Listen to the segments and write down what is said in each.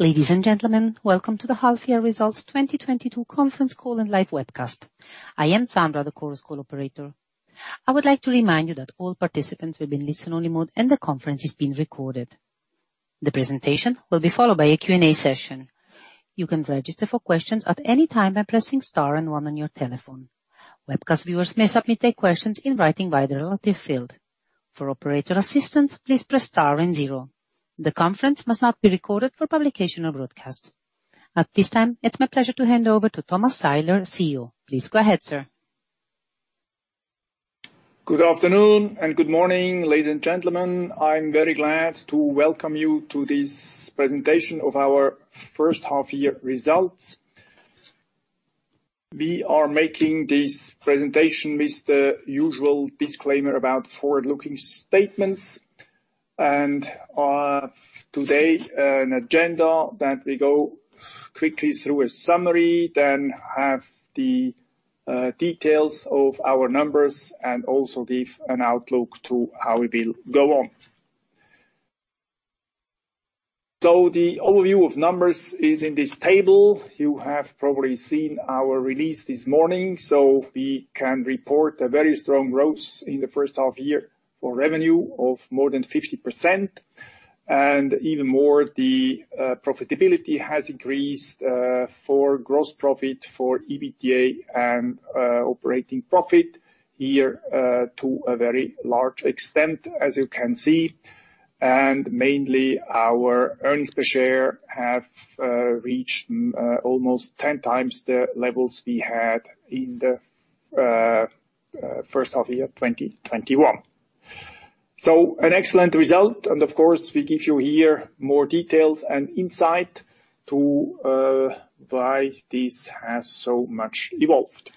Ladies and gentlemen, welcome to the half-year results 2022 conference call and live webcast. I am Sandra, the Chorus Call operator. I would like to remind you that all participants will be in listen-only mode and the conference is being recorded. The presentation will be followed by a Q&A session. You can register for questions at any time by pressing star and one on your telephone. Webcast viewers may submit their questions in writing via the relevant field. For operator assistance, please press star and zero. The conference must not be recorded for publication or broadcast. At this time, it's my pleasure to hand over to Thomas Seiler, CEO. Please go ahead, sir. Good afternoon and good morning, ladies and gentlemen. I'm very glad to welcome you to this presentation of our first half year results. We are making this presentation with the usual disclaimer about forward-looking statements and today an agenda that we go quickly through a summary, then have the details of our numbers and also give an outlook to how we will go on. The overview of numbers is in this table. You have probably seen our release this morning, so we can report a very strong growth in the first half year for revenue of more than 50%. Even more, the profitability has increased for gross profit, EBITDA and operating profit here to a very large extent, as you can see. Mainly our earnings per share have reached almost ten times the levels we had in the first half year, 2021. An excellent result, and of course we give you here more details and insight to why this has so much evolved.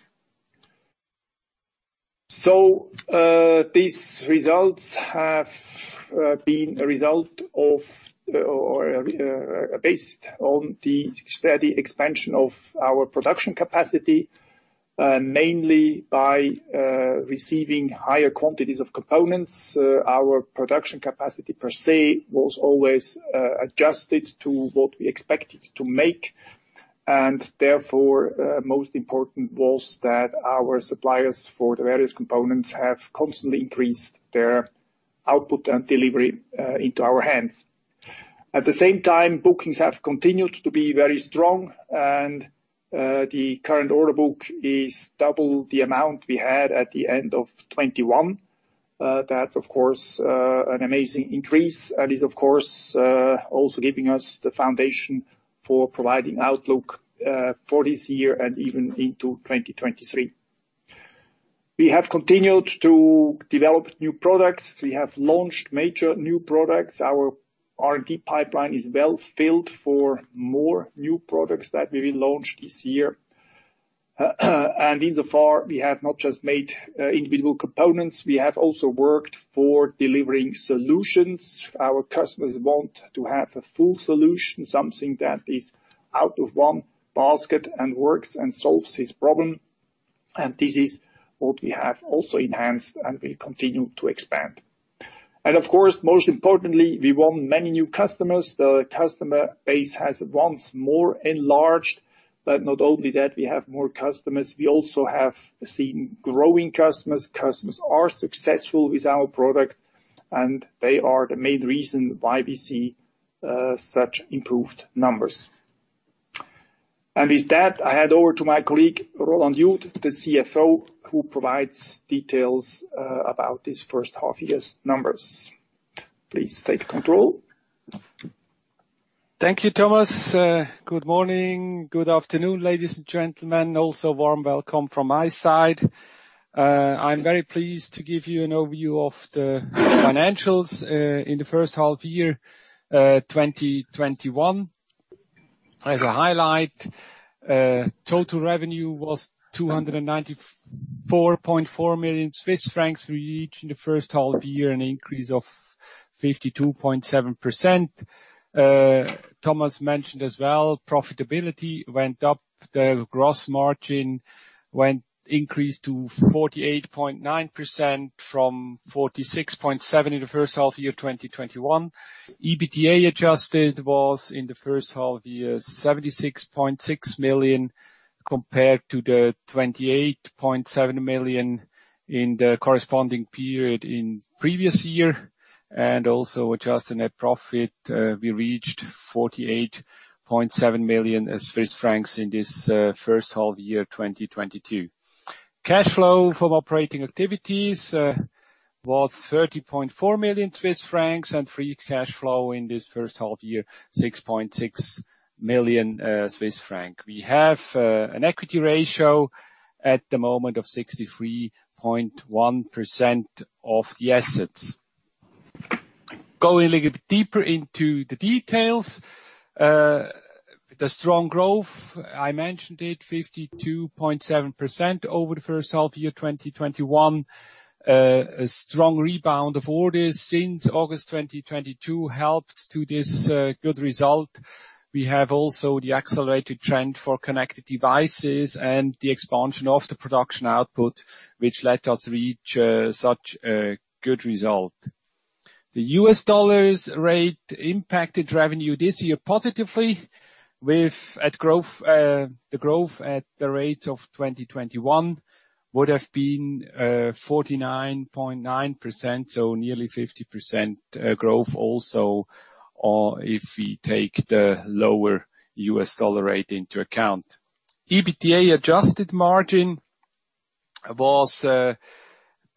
These results have been a result of or based on the steady expansion of our production capacity, mainly by receiving higher quantities of components. Our production capacity per se was always adjusted to what we expected to make, and therefore most important was that our suppliers for the various components have constantly increased their output and delivery into our hands. At the same time, bookings have continued to be very strong and the current order book is double the amount we had at the end of 2021. That's of course an amazing increase and is of course also giving us the foundation for providing outlook for this year and even into 2023. We have continued to develop new products. We have launched major new products. Our R&D pipeline is well filled for more new products that will be launched this year. Insofar, we have not just made individual components, we have also worked for delivering solutions. Our customers want to have a full solution, something that is out of one basket and works and solves his problem, and this is what we have also enhanced and we continue to expand. Of course, most importantly, we won many new customers. The customer base has once more enlarged, but not only that, we have more customers, we also have seen growing customers. Customers are successful with our product, and they are the main reason why we see such improved numbers. With that, I hand over to my colleague, Roland Jud, the CFO, who provides details about this first half year's numbers. Please take control. Thank you, Thomas. Good morning, good afternoon, ladies and gentlemen, also warm welcome from my side. I'm very pleased to give you an overview of the financials, in the first half year, 2021. As a highlight, total revenue was 294.4 million Swiss francs. We reached in the first half of the year an increase of 52.7%. Thomas mentioned as well, profitability went up. The gross margin increased to 48.9% from 46.7% in the first half year, 2021. EBITDA adjusted was, in the first half year, 76.6 million, compared to the 28.7 million in the corresponding period in previous year. Also adjusted net profit, we reached 48.7 million Swiss francs in this first half year, 2022. Cash flow from operating activities was 30.4 million Swiss francs, and free cash flow in this first half year, 6.6 million Swiss franc. We have an equity ratio at the moment of 63.1% of the assets. Going a little bit deeper into the details. The strong growth, I mentioned it, 52.7% over the first half year 2021. A strong rebound of orders since August 2022 helped to this good result. We have also the accelerated trend for connected devices and the expansion of the production output, which let us reach such a good result. The US dollar rate impacted revenue this year positively. The growth at the rate of 2021 would have been 49.9%, so nearly 50% growth also, or if we take the lower US dollar rate into account. EBITDA adjusted margin was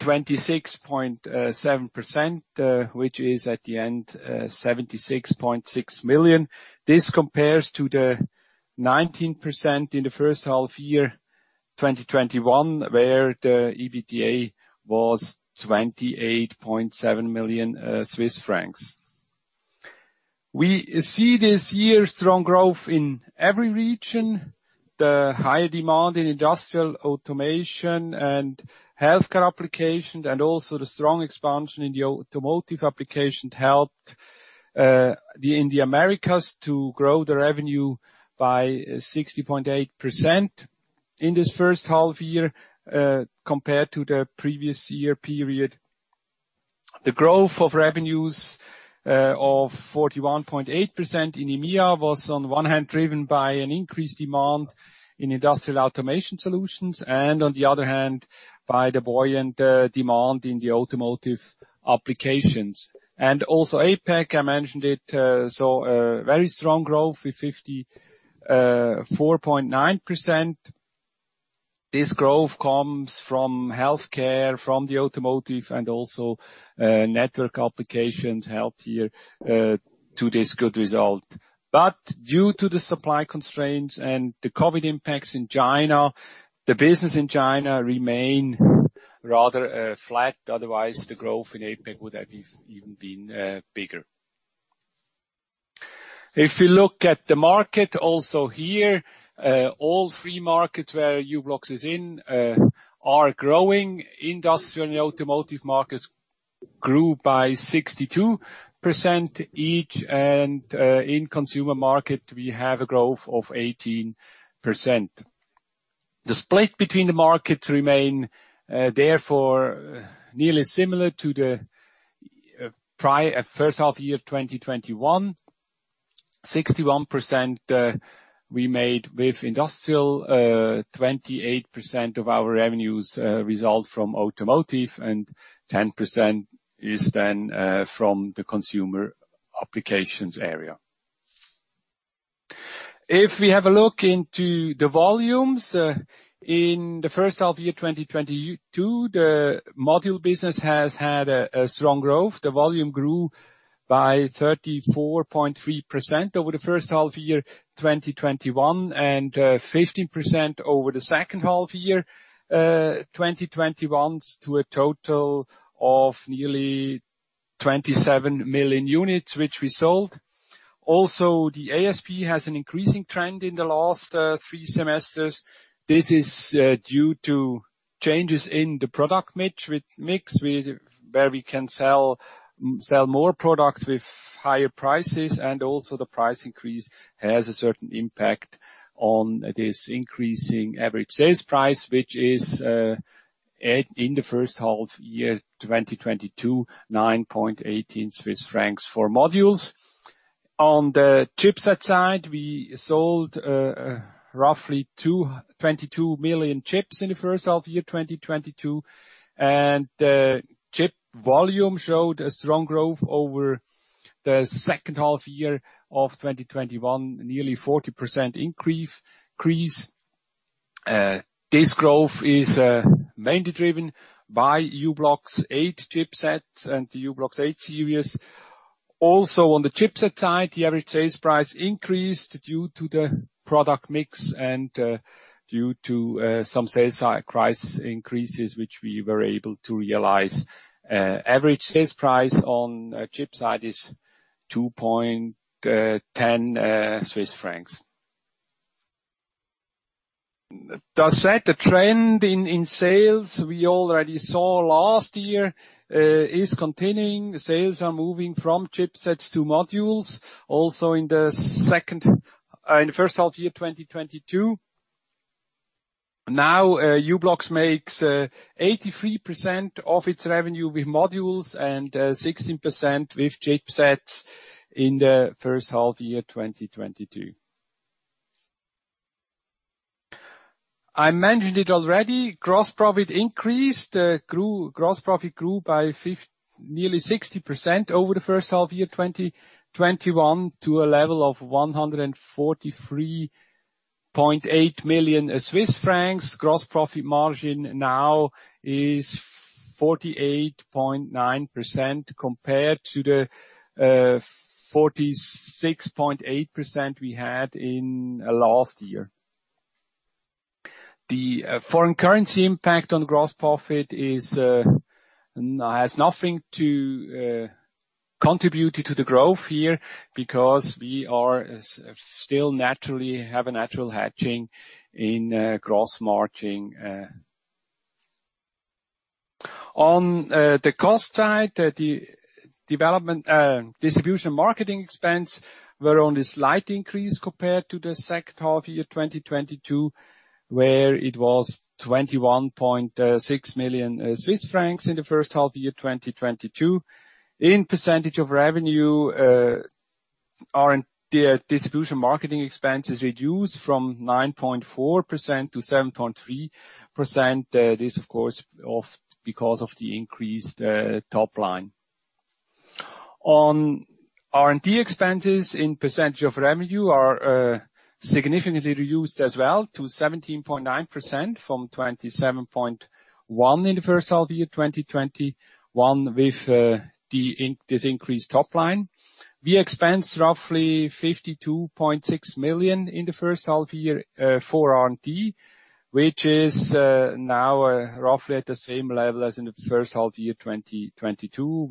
26.7%, which is at the end 76.6 million. This compares to the 19% in the first half year 2021, where the EBITDA was 28.7 million Swiss francs. We see this year strong growth in every region. The higher demand in industrial automation and healthcare applications, and also the strong expansion in the automotive applications helped in the Americas to grow the revenue by 60.8% in this first half year, compared to the previous year period. The growth of revenues of 41.8% in EMEA was on one hand, driven by an increased demand in industrial automation solutions, and on the other hand, by the buoyant demand in the automotive applications. APAC, I mentioned it, saw a very strong growth with 54.9%. This growth comes from healthcare, from the automotive and also network applications helped here to this good result. Due to the supply constraints and the COVID impacts in China, the business in China remain rather flat. Otherwise, the growth in APAC would have even been bigger. If you look at the market also here, all three markets where u-blox is in are growing. Industrial and automotive markets grew by 62% each, and in consumer market, we have a growth of 18%. The split between the markets remain therefore nearly similar to the first half year of 2021. 61%, we made with industrial, 28% of our revenues result from automotive, and 10% is then from the consumer applications area. If we have a look into the volumes in the first half year, 2022, the module business has had a strong growth. The volume grew by 34.3% over the first half year, 2021, and 15% over the second half year of 2021 to a total of nearly 27 million units, which we sold. Also, the ASP has an increasing trend in the last three semesters. This is due to changes in the product mix, where we can sell more products with higher prices. Also the price increase has a certain impact on this increasing average sales price, which is at CHF 9.18 in the first half year, 2022, for modules. On the chipset side, we sold roughly 222 million chips in the first half year 2022. Chip volume showed a strong growth over the second half year of 2021, nearly 40% increase. This growth is mainly driven by u-blox M8 chipsets and the u-blox M8 series. Also, on the chipset side, the average sales price increased due to the product mix and due to some sales price increases, which we were able to realize. Average sales price on chipset is CHF 2.10. That said, the trend in sales we already saw last year is continuing. Sales are moving from chipsets to modules also in the first half year, 2022. Now, u-blox makes 83% of its revenue with modules and 16% with chipsets in the first half year, 2022. I mentioned it already. Gross profit grew by nearly 60% over the first half year 2021, to a level of 143.8 million Swiss francs. Gross profit margin now is 48.9% compared to the 46.8% we had in last year. The foreign currency impact on gross profit has nothing to contribute to the growth here because we are still naturally have a natural hedging in gross margin. On the cost side, the development distribution marketing expense were on a slight increase compared to the second half year 2022, where it was 21.6 million Swiss francs in the first half year 2022. In percentage of revenue, our distribution marketing expenses reduced from 9.4% to 7.3%. This of course, because of the increased top line. Our R&D expenses as a percentage of revenue are significantly reduced as well to 17.9% from 27.1% in the first half year 2021 with this increased top line. We expensed roughly 52.6 million in the first half year for R&D, which is now roughly at the same level as in the first half year 2021,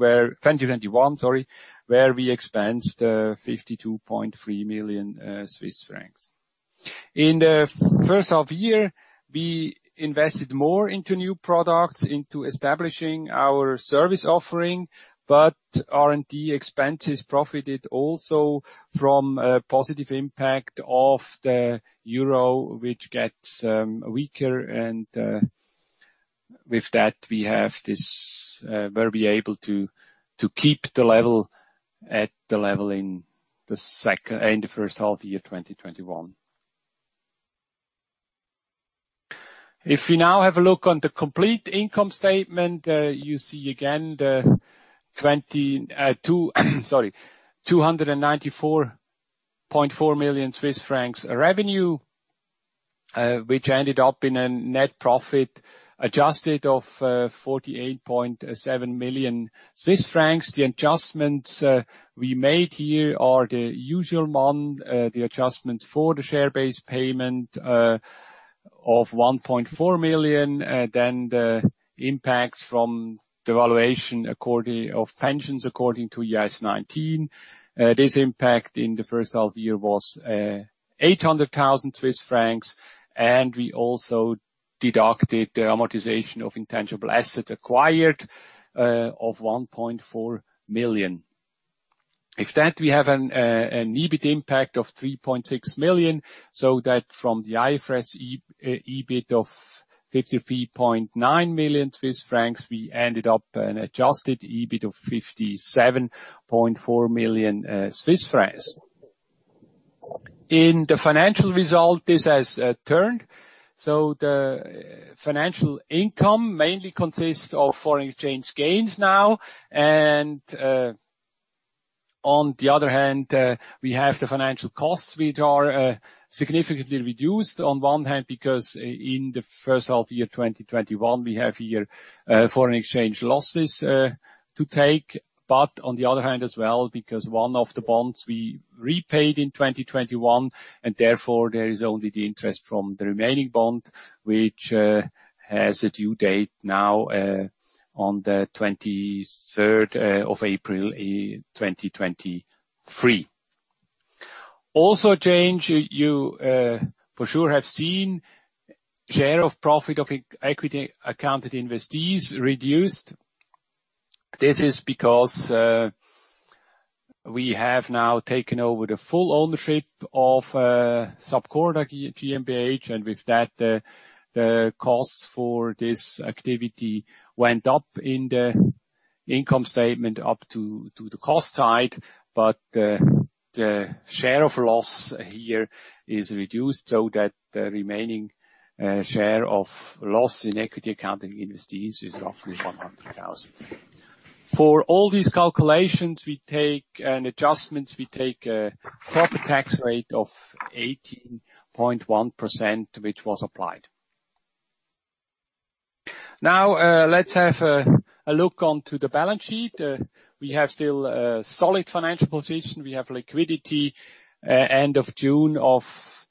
where we expensed 52.3 million Swiss francs. In the first half year, we invested more into new products, into establishing our service offering, but R&D expenses benefited also from a positive impact of the euro, which gets weaker. With that, we were able to keep the level in the first half year, 2021. If you now have a look on the complete income statement, you see again the 294.4 million Swiss francs revenue, which ended up in a net profit adjusted of 48.7 million Swiss francs. The adjustments we made here are the usual amount, the adjustments for the share-based payment of 1.4 million, then the impacts from the actuarial valuation of pensions according to IAS 19. This impact in the first half of the year was 800,000 Swiss francs, and we also deducted the amortization of intangible assets acquired of 1.4 million. With that, we have an EBIT impact of 3.6 million, so that from the IFRS EBIT of 53.9 million Swiss francs, we ended up an adjusted EBIT of 57.4 million Swiss francs. In the financial result, this has turned. The financial income mainly consists of foreign exchange gains now. On the other hand, we have the financial costs, which are significantly reduced on one hand, because in the first half year 2021, we have here foreign exchange losses to take. On the other hand as well, because one of the bonds we repaid in 2021, and therefore, there is only the interest from the remaining bond, which has a due date now on the 23rd of April 2023. A change you for sure have seen, share of profit of equity accounted investees reduced. This is because we have now taken over the full ownership of Sapcorda GmbH, and with that, the costs for this activity went up in the income statement up to the cost side, but the share of loss here is reduced so that the remaining share of loss in equity accounting investees is roughly 100,000. For all these calculations and adjustments, we take a proper tax rate of 18.1%, which was applied. Now let's have a look onto the balance sheet. We have still a solid financial position. We have liquidity end of June of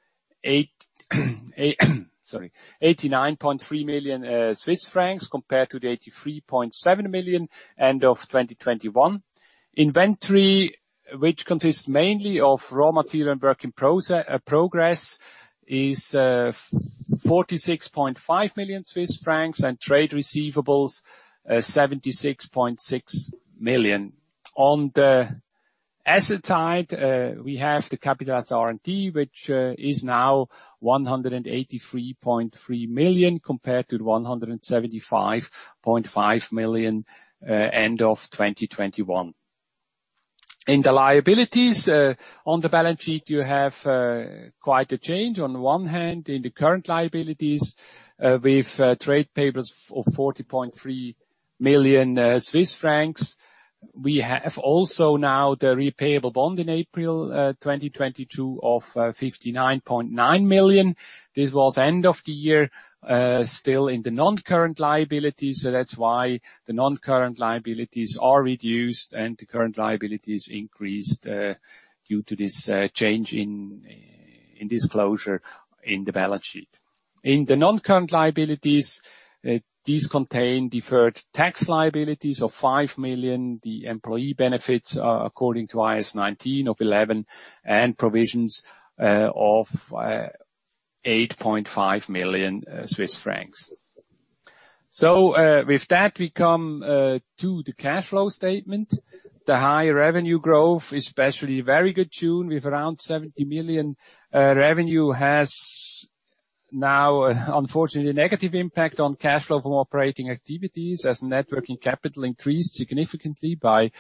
89.3 million Swiss francs compared to the 83.7 million end of 2021. Inventory, which consists mainly of raw material and work in progress, is 46.5 million Swiss francs, and trade receivables, 76.6 million. On the asset side, we have the capitalized R&D, which is now 183.3 million compared to 175.5 million end of 2021. In the liabilities on the balance sheet, you have quite a change. On one hand, in the current liabilities, with trade payables of 40.3 million Swiss francs. We have also now the repayable bond in April 2022 of 59.9 million. This was end of the year still in the non-current liabilities. That's why the non-current liabilities are reduced and the current liabilities increased due to this change in disclosure in the balance sheet. In the non-current liabilities, these contain deferred tax liabilities of 5 million, the employee benefits according to IAS 19 of 11 million, and provisions of 8.5 million Swiss francs. With that, we come to the cash flow statement. The high revenue growth, especially very good June, with around 70 million revenue has now, unfortunately, negative impact on cash flow from operating activities as net working capital increased significantly by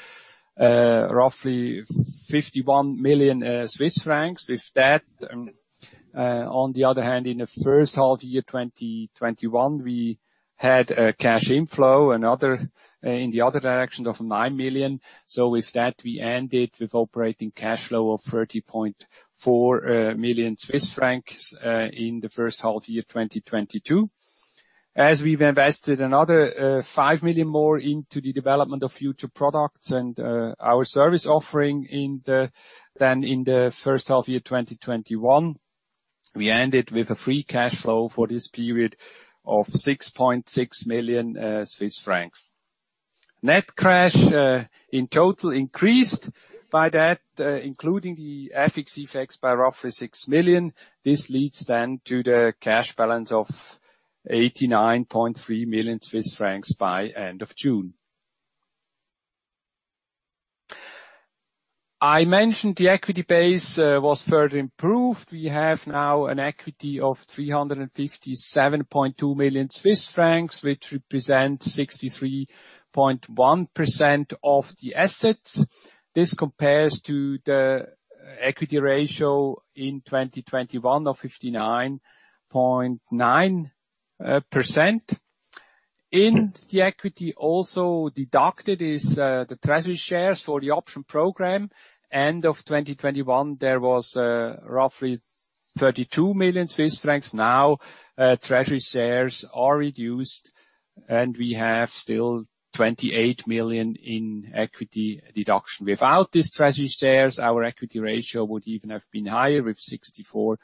roughly 51 million Swiss francs. With that, on the other hand, in the first half year 2021, we had a cash inflow in the other direction of 9 million. With that, we ended with operating cash flow of 30.4 million Swiss francs in the first half year, 2022. We've invested another five million more into the development of future products and our service offering than in the first half year, 2021, we ended with a free cash flow for this period of 6.6 million Swiss francs. Net cash in total increased by that, including the FX effects by roughly 6 million. This leads to the cash balance of 89.3 million Swiss francs by end of June. I mentioned the equity base was further improved. We have now an equity of 357.2 million Swiss francs, which represents 63.1% of the assets. This compares to the equity ratio in 2021 of 59.9%. In the equity also deducted is the treasury shares for the option program. End of 2021, there was roughly 32 million Swiss francs. Now, treasury shares are reduced, and we have still 28 million in equity deduction. Without these treasury shares, our equity ratio would even have been higher with 64.9%.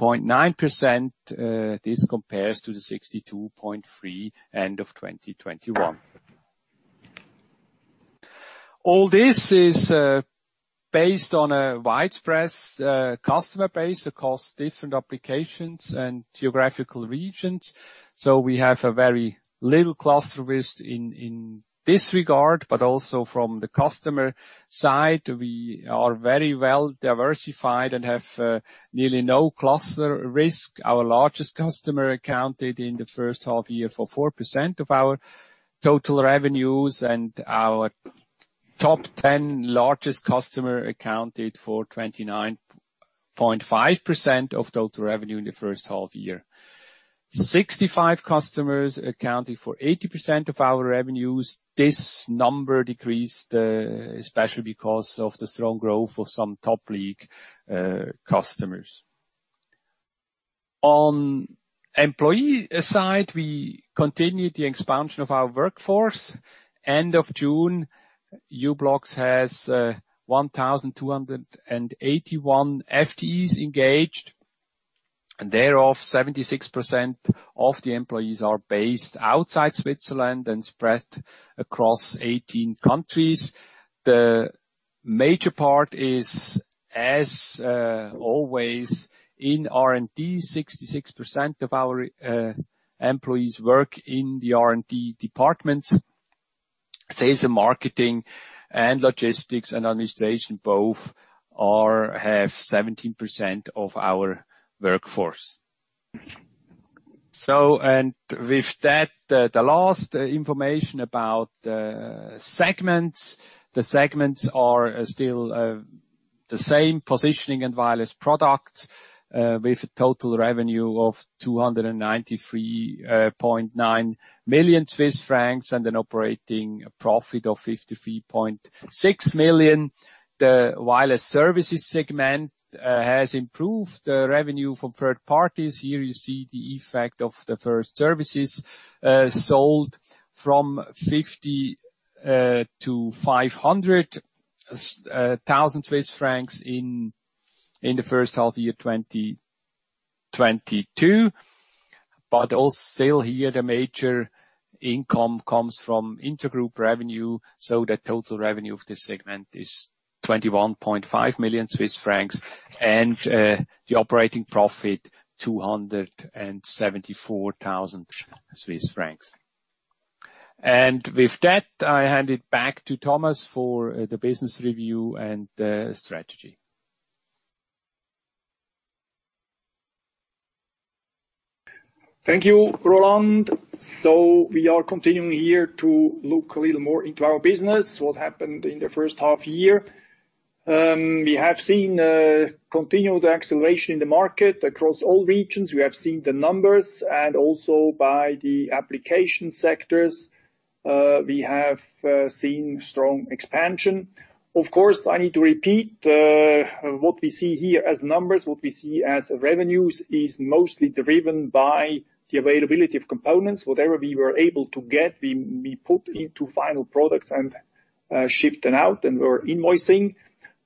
This compares to the 62.3% end of 2021. All this is based on a widespread customer base across different applications and geographical regions. We have a very little cluster risk in this regard, but also from the customer side, we are very well diversified and have nearly no cluster risk. Our largest customer accounted in the first half year for 4% of our total revenues, and our top ten largest customer accounted for 29.5% of total revenue in the first half year. 65 customers accounted for 80% of our revenues. This number decreased, especially because of the strong growth of some top league customers. On employee side, we continued the expansion of our workforce. End of June, u-blox has 1,281 FTEs engaged, and thereof, 76% of the employees are based outside Switzerland and spread across 18 countries. The major part is, as always in R&D, 66% of our employees work in the R&D department. Sales and marketing and logistics and administration both have 17% of our workforce. With that, the last information about the segments. The segments are still the same positioning and wireless product with a total revenue of 293.9 million Swiss francs and an operating profit of 53.6 million. The wireless services segment has improved revenue from third parties. Here you see the effect of the first services sold from 50-500 thousand Swiss francs in the first half year, 2022. Also still here, the major income comes from intergroup revenue, so the total revenue of this segment is 21.5 million Swiss francs and the operating profit 274 thousand Swiss francs. With that, I hand it back to Thomas for the business review and the strategy. Thank you, Roland. We are continuing here to look a little more into our business, what happened in the first half year. We have seen continued acceleration in the market across all regions. We have seen the numbers and also by the application sectors. We have seen strong expansion. Of course, I need to repeat what we see here as numbers, what we see as revenues is mostly driven by the availability of components. Whatever we were able to get, we put into final products and shipped them out and we're invoicing.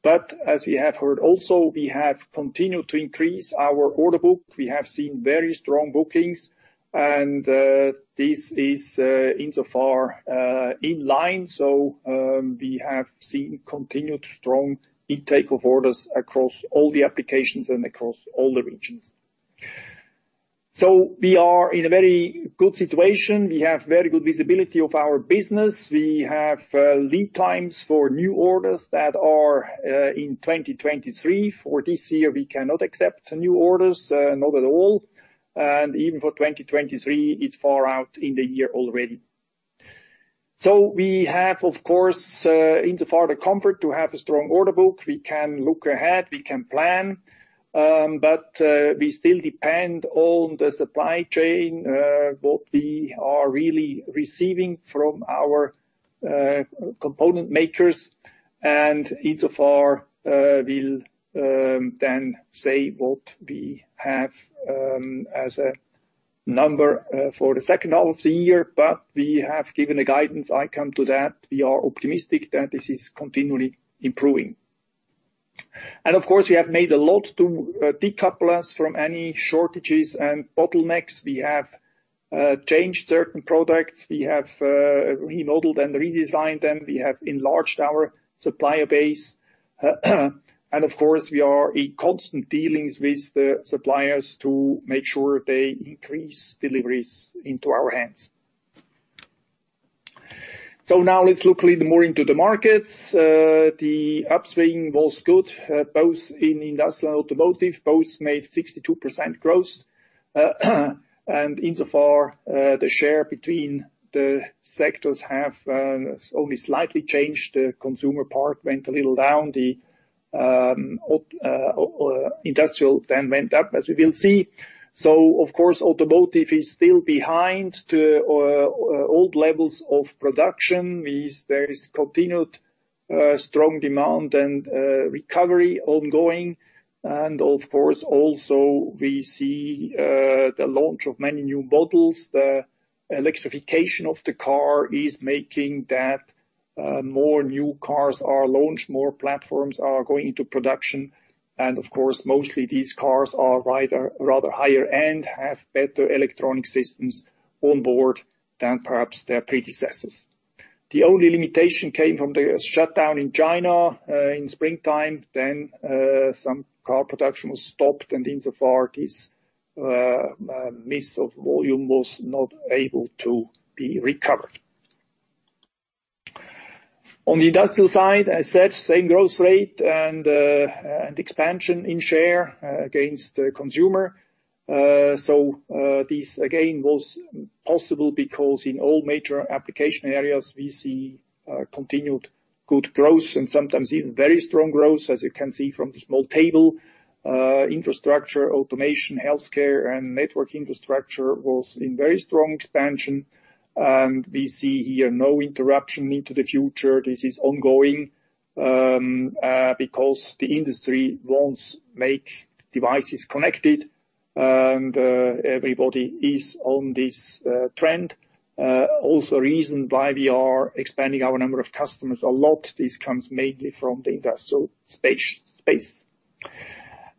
But as we have heard also, we have continued to increase our order book. We have seen very strong bookings, and this is insofar in line. We have seen continued strong intake of orders across all the applications and across all the regions. We are in a very good situation. We have very good visibility of our business. We have lead times for new orders that are in 2023. For this year, we cannot accept new orders, not at all. Even for 2023, it's far out in the year already. We have, of course, in so far the comfort to have a strong order book. We can look ahead, we can plan, but we still depend on the supply chain, what we are really receiving from our component makers. Insofar, we'll then say what we have as a number for the second half of the year. But we have given a guidance on that. We are optimistic that this is continually improving. Of course, we have made a lot to decouple us from any shortages and bottlenecks. We have changed certain products. We have remodeled and redesigned them. We have enlarged our supplier base. And of course, we are in constant dealings with the suppliers to make sure they increase deliveries into our hands. Now let's look a little more into the markets. The upswing was good both in industrial and automotive. Both made 62% growth. Insofar, the share between the sectors have only slightly changed. The consumer part went a little down. The industrial then went up, as we will see. Of course, automotive is still behind the old levels of production. There is continued strong demand and recovery ongoing. Of course, also we see the launch of many new models. The electrification of the car is making that more new cars are launched, more platforms are going into production. Of course, mostly these cars are rather higher end, have better electronic systems on board than perhaps their predecessors. The only limitation came from the shutdown in China in springtime, some car production was stopped and insofar this miss of volume was not able to be recovered. On the industrial side, as such, same growth rate and expansion in share against the consumer. This again was possible because in all major application areas we see continued good growth and sometimes even very strong growth, as you can see from the small table. Infrastructure, automation, healthcare, and network infrastructure was in very strong expansion. We see here no interruption into the future. This is ongoing, because the industry wants make devices connected and, everybody is on this, trend. Also a reason why we are expanding our number of customers a lot. This comes mainly from the industrial space.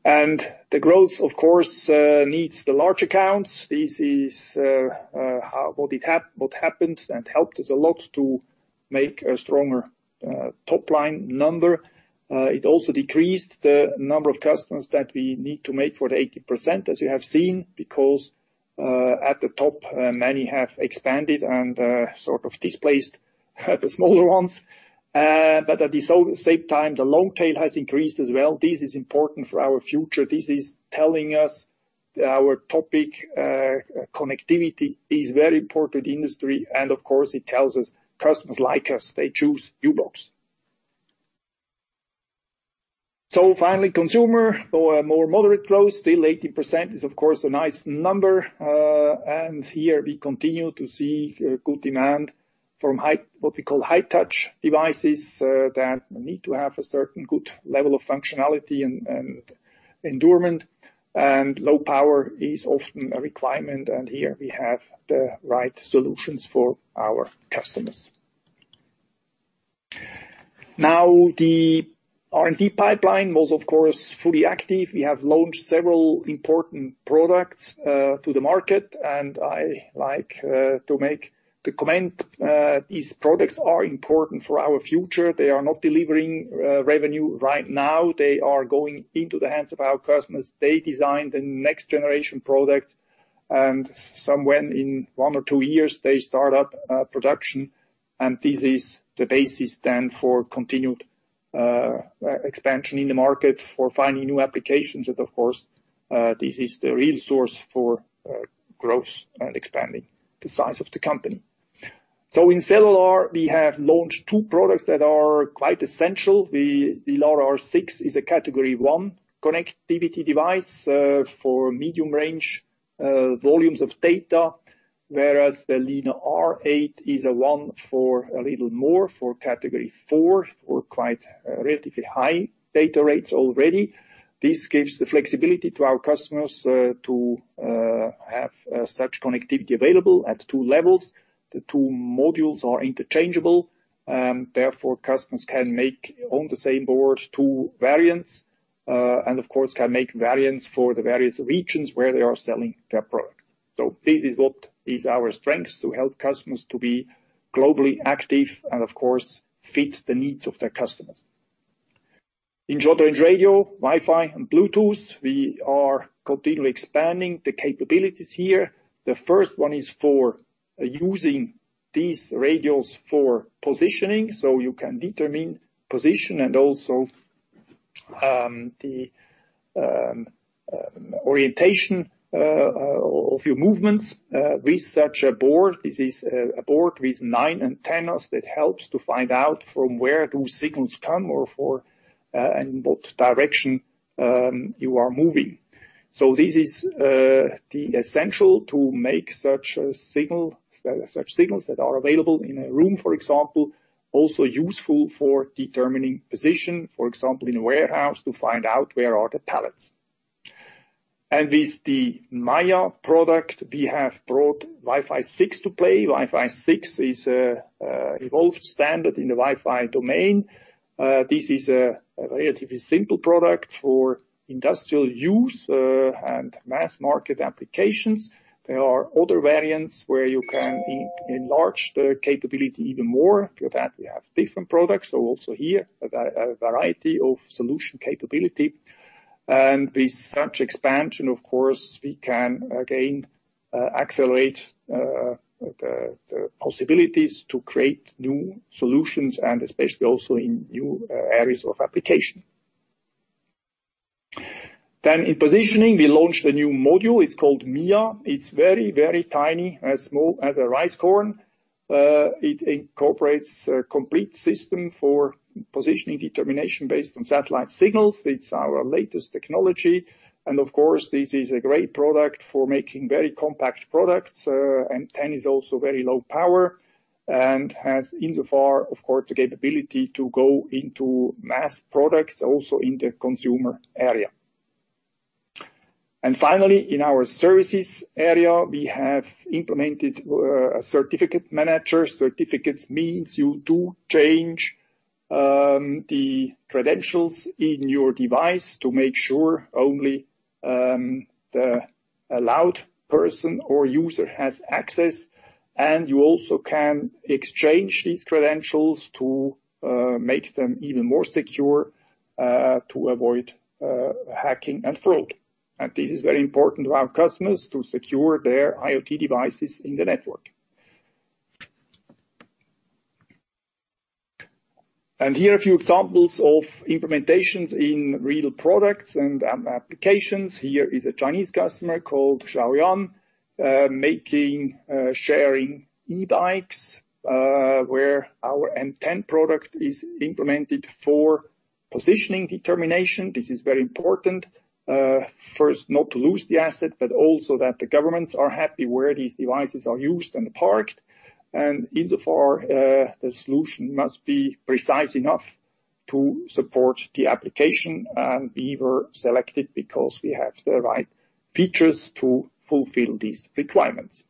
The growth, of course, needs the large accounts. This is what happened and helped us a lot to make a stronger, top-line number. It also decreased the number of customers that we need to make for the 80%, as you have seen, because, at the top, many have expanded and, sort of displaced the smaller ones. But at the same time, the long tail has increased as well. This is important for our future. This is telling us our topic, connectivity is very important industry, and of course it tells us customers like us, they choose u-blox. Finally, consumer. More moderate growth. Still 18% is of course a nice number. Here we continue to see good demand from high, what we call high-touch devices, that need to have a certain good level of functionality and endurance. Low power is often a requirement, and here we have the right solutions for our customers. Now, the R&D pipeline was of course fully active. We have launched several important products to the market, and I like to make the comment these products are important for our future. They are not delivering revenue right now. They are going into the hands of our customers. They design the next generation product, and somewhere in one or two years, they start up production. This is the basis then for continued expansion in the market, for finding new applications. Of course, this is the real source for growth and expanding the size of the company. In cellular, we have launched two products that are quite essential. The Gilor R6 is a Category 1 connectivity device for medium range volumes of data, whereas the LENA-R8 is a one for a little more, for Category 4 or quite relatively high data rates already. This gives the flexibility to our customers to have such connectivity available at two levels. The two modules are interchangeable, therefore, customers can make on the same board two variants, and of course, can make variants for the various regions where they are selling their product. This is what is our strength to help customers to be globally active and of course, fit the needs of their customers. In short-range radio, Wi-Fi, and Bluetooth, we are continually expanding the capabilities here. The first one is for using these radios for positioning, so you can determine position and also the orientation of your movements with such a board. This is a board with nine antennas that helps to find out from where those signals come and what direction you are moving. This is essential to make such a signal, such signals that are available in a room, for example, also useful for determining position, for example, in a warehouse, to find out where are the pallets. With the MAYA product, we have brought Wi-Fi 6 into play. Wi-Fi 6 is an evolved standard in the Wi-Fi domain. This is a relatively simple product for industrial use and mass-market applications. There are other variants where you can enlarge the capability even more. For that, we have different products. Also here a variety of solution capability. With such expansion, of course, we can again accelerate the possibilities to create new solutions and especially also in new areas of application. In positioning, we launched a new module. It's called MIA. It's very, very tiny, as small as a rice corn. It incorporates a complete system for positioning determination based on satellite signals. It's our latest technology, and of course, this is a great product for making very compact products. M10 is also very low power and has insofar of course, the capability to go into mass products also in the consumer area. Finally, in our services area, we have implemented a certificate manager. Certificates means you do change the credentials in your device to make sure only the allowed person or user has access. You also can exchange these credentials to make them even more secure to avoid hacking and fraud. This is very important to our customers to secure their IoT devices in the network. Here are a few examples of implementations in real products and applications. Here is a Chinese customer called Xiaoyun making sharing e-bikes where our M10 product is implemented for positioning determination. This is very important, first not to lose the asset, but also that the governments are happy where these devices are used and parked. Insofar, the solution must be precise enough to support the application. We were selected because we have the right features to fulfill these requirements.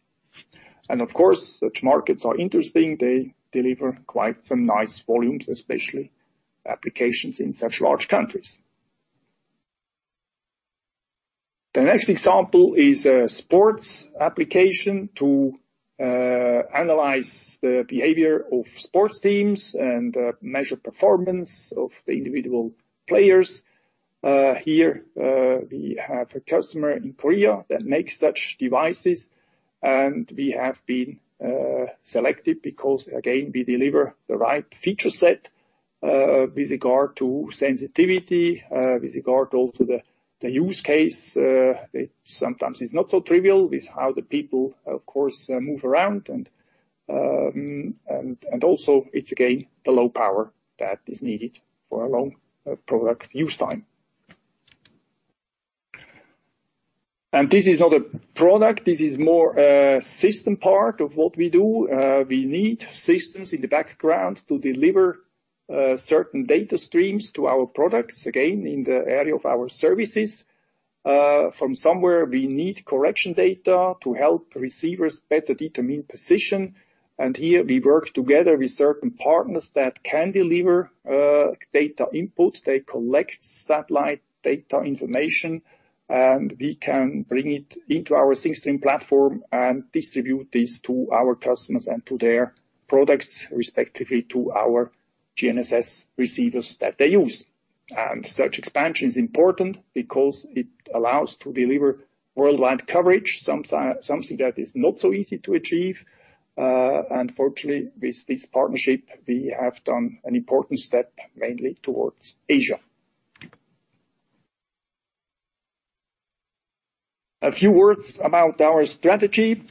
Of course, such markets are interesting. They deliver quite some nice volumes, especially applications in such large countries. The next example is a sports application to analyze the behavior of sports teams and measure performance of the individual players. Here, we have a customer in Korea that makes such devices, and we have been selected because again, we deliver the right feature set with regard to sensitivity with regard also to the use case. It sometimes is not so trivial with how the people of course move around. Also it's again, the low power that is needed for a long product use time. This is not a product, this is more a system part of what we do. We need systems in the background to deliver certain data streams to our products. Again, in the area of our services, from somewhere, we need correction data to help receivers better determine position. Here we work together with certain partners that can deliver data input. They collect satellite data information, and we can bring it into our Thingstream platform and distribute this to our customers and to their products, respectively, to our GNSS receivers that they use. Such expansion is important because it allows to deliver worldwide coverage, something that is not so easy to achieve. Fortunately with this partnership, we have done an important step mainly towards Asia. A few words about our strategy.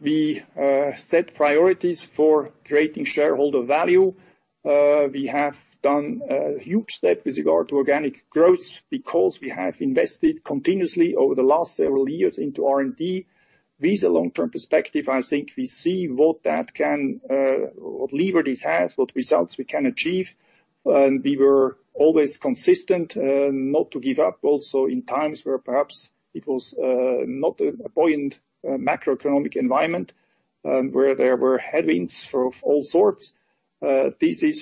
We set priorities for creating shareholder value. We have done a huge step with regard to organic growth because we have invested continuously over the last several years into R&D. With a long-term perspective, I think we see what that can, what lever this has, what results we can achieve. We were always consistent not to give up also in times where perhaps it was not a buoyant macroeconomic environment, where there were headwinds of all sorts. This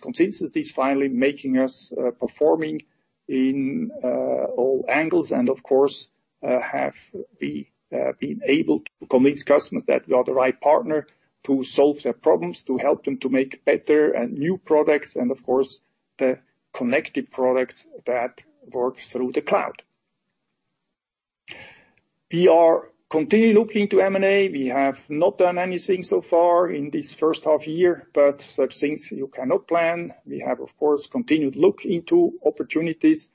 consistency is finally making us performing in all angles and of course have we been able to convince customers that we are the right partner to solve their problems, to help them to make better and new products and of course the connected products that works through the cloud. We are continually looking to M&A. We have not done anything so far in this first half year, but such things you cannot plan. We have, of course, continued to look into opportunities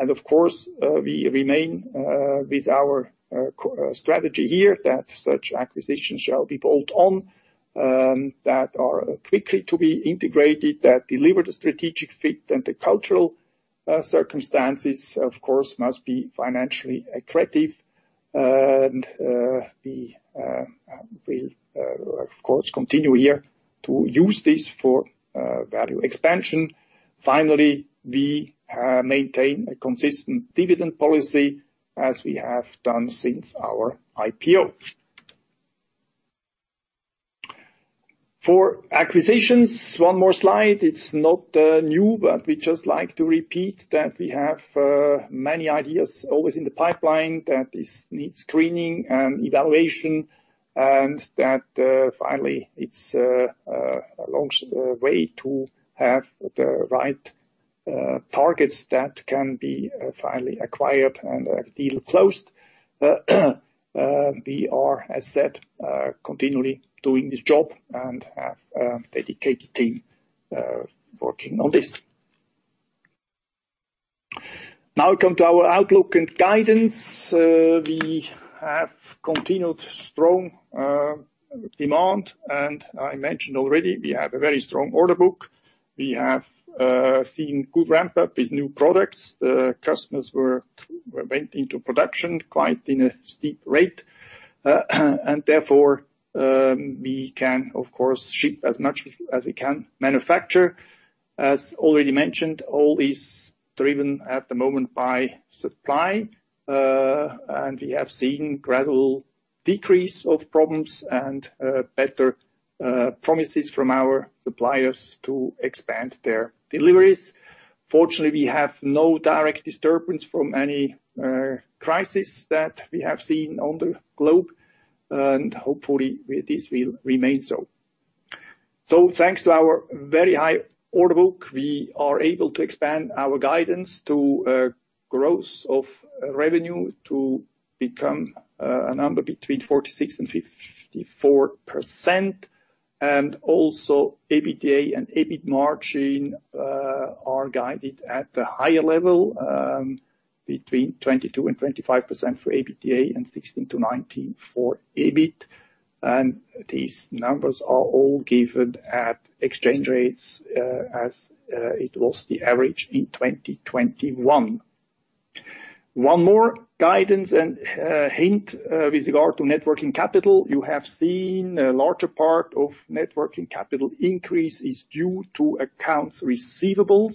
and of course, we remain with our strategy here that such acquisitions shall be bolt-on, that are quickly to be integrated, that deliver the strategic fit and the cultural circumstances, of course, must be financially attractive. We will, of course, continue here to use this for value expansion. Finally, we maintain a consistent dividend policy as we have done since our IPO. For acquisitions, one more slide. It's not new, but we just like to repeat that we have many ideas always in the pipeline that need screening and evaluation, and that finally, it's a long way to have the right targets that can be finally acquired and a deal closed. We are, as said, continually doing this job and have a dedicated team working on this. Now we come to our outlook and guidance. We have continued strong demand, and I mentioned already we have a very strong order book. We have seen good ramp-up with new products. The customers went into production quite in a steep rate. Therefore, we can, of course, ship as much as we can manufacture. As already mentioned, all is driven at the moment by supply, and we have seen gradual decrease of problems and better promises from our suppliers to expand their deliveries. Fortunately, we have no direct disturbance from any crisis that we have seen on the globe, and hopefully this will remain so. Thanks to our very high order book, we are able to expand our guidance to growth of revenue to become a number between 46% and 54%. Also, EBITDA and EBIT margin are guided at the higher level, between 22% and 25% for EBITDA and 16%-19% for EBIT. These numbers are all given at exchange rates as it was the average in 2021. One more guidance and hint with regard to net working capital. You have seen a larger part of net working capital increase is due to accounts receivable.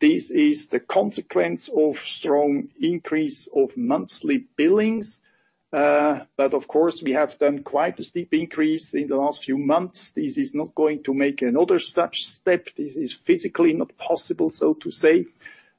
This is the consequence of strong increase of monthly billings. But of course we have done quite a steep increase in the last few months. This is not going to make another such step. This is physically not possible, so to say.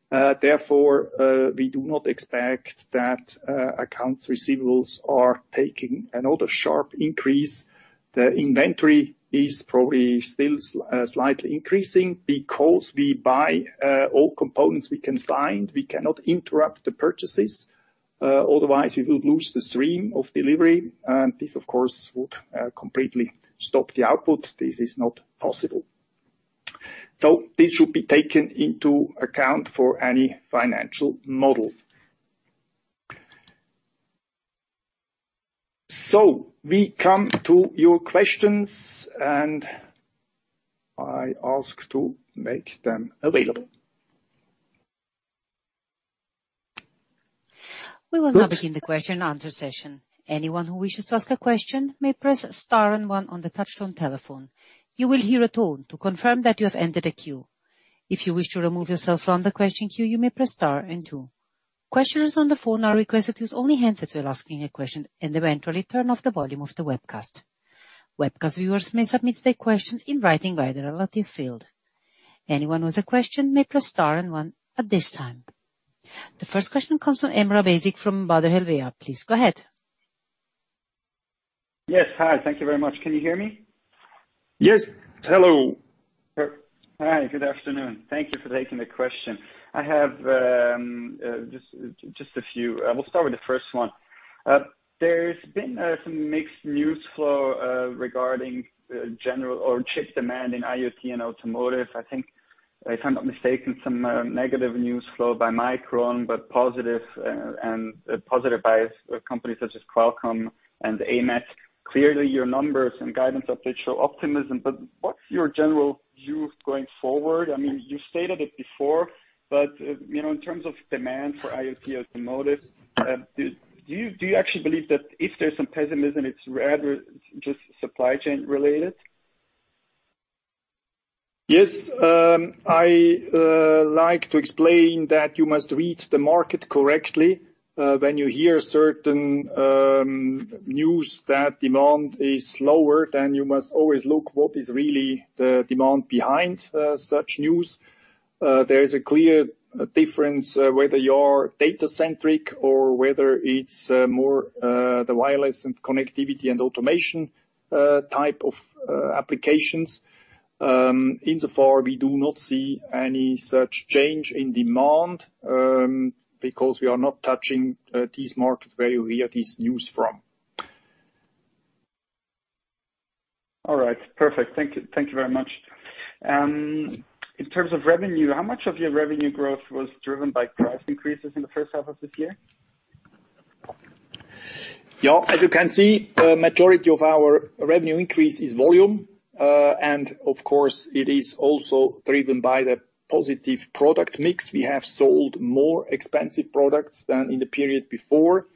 Therefore, we do not expect that accounts receivables are taking another sharp increase. The inventory is probably still slightly increasing because we buy all components we can find. We cannot interrupt the purchases, otherwise we will lose the stream of delivery. This, of course, would completely stop the output. This is not possible. This should be taken into account for any financial models. We come to your questions, and I ask to make them available. We will now begin the question-and-answer session. Anyone who wishes to ask a question may press star and one on the touchtone telephone. You will hear a tone to confirm that you have entered a queue. If you wish to remove yourself from the question queue, you may press star and two. Questioners on the phone are requested to use only handsets when asking a question and eventually turn off the volume of the webcast. Webcast viewers may submit their questions in writing via the relevant field. Anyone with a question may press star and one at this time. The first question comes from Emrah Basic from Baader Helvea. Please go ahead. Yes. Hi, thank you very much. Can you hear me? Yes. Hello. Hi, good afternoon. Thank you for taking the question. I have just a few. We'll start with the first one. There's been some mixed news flow regarding general or chip demand in IoT and automotive. I think if I'm not mistaken, some negative news flow by Micron, but positive by companies such as Qualcomm and AMETEK. Clearly, your numbers and guidance updates show optimism, but what's your general view going forward? I mean, you know, in terms of demand for IoT or automotive, do you actually believe that if there's some pessimism, it's rather just supply chain related? Yes. I like to explain that you must read the market correctly. When you hear certain news that demand is lower, then you must always look what is really the demand behind such news. There is a clear difference whether you're data centric or whether it's more the wireless and connectivity and automation type of applications. Insofar, we do not see any such change in demand because we are not touching these markets where we hear this news from. It's perfect. Thank you, thank you very much. In terms of revenue, how much of your revenue growth was driven by price increases in the first half of this year? Yeah. As you can see, the majority of our revenue increase is volume. Of course, it is also driven by the positive product mix. We have sold more expensive products than in the period before.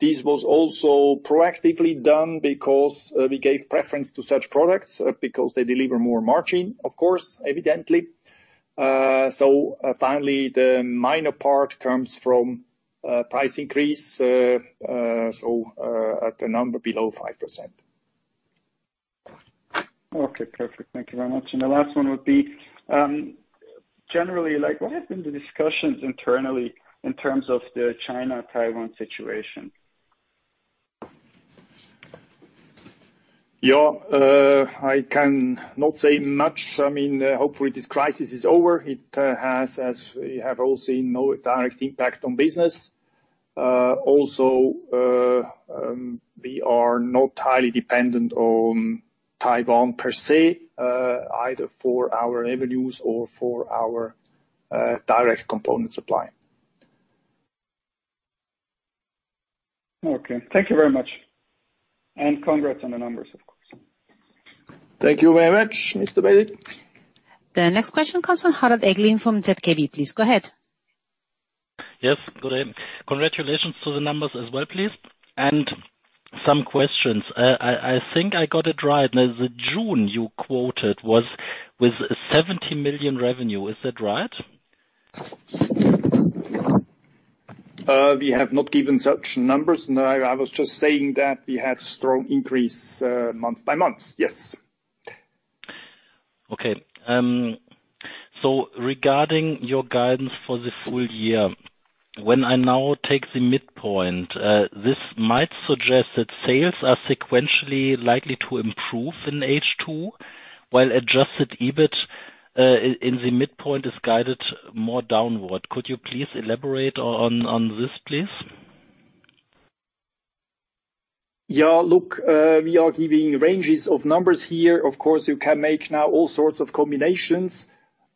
This was also proactively done because we gave preference to such products because they deliver more margin, of course, evidently. Finally, the minor part comes from price increase at a number below 5%. Okay, perfect. Thank you very much. The last one would be, generally, like, what have been the discussions internally in terms of the China-Taiwan situation? I cannot say much. I mean, hopefully this crisis is over. It has, as we have all seen, no direct impact on business. We are not highly dependent on Taiwan per se, either for our revenues or for our direct component supply. Okay. Thank you very much. Congrats on the numbers, of course. Thank you very much, Mr. Basic. The next question comes from Harald Eglin from ZKB. Please go ahead. Yes, good day. Congratulations to the numbers as well, please. Some questions. I think I got it right. Now, the June you quoted was with 70 million revenue. Is that right? We have not given such numbers. No, I was just saying that we had strong increase, month by month. Yes. Regarding your guidance for the full year, when I now take the midpoint, this might suggest that sales are sequentially likely to improve in H2, while adjusted EBIT in the midpoint is guided more downward. Could you please elaborate on this, please? Yeah. Look, we are giving ranges of numbers here. Of course, you can make now all sorts of combinations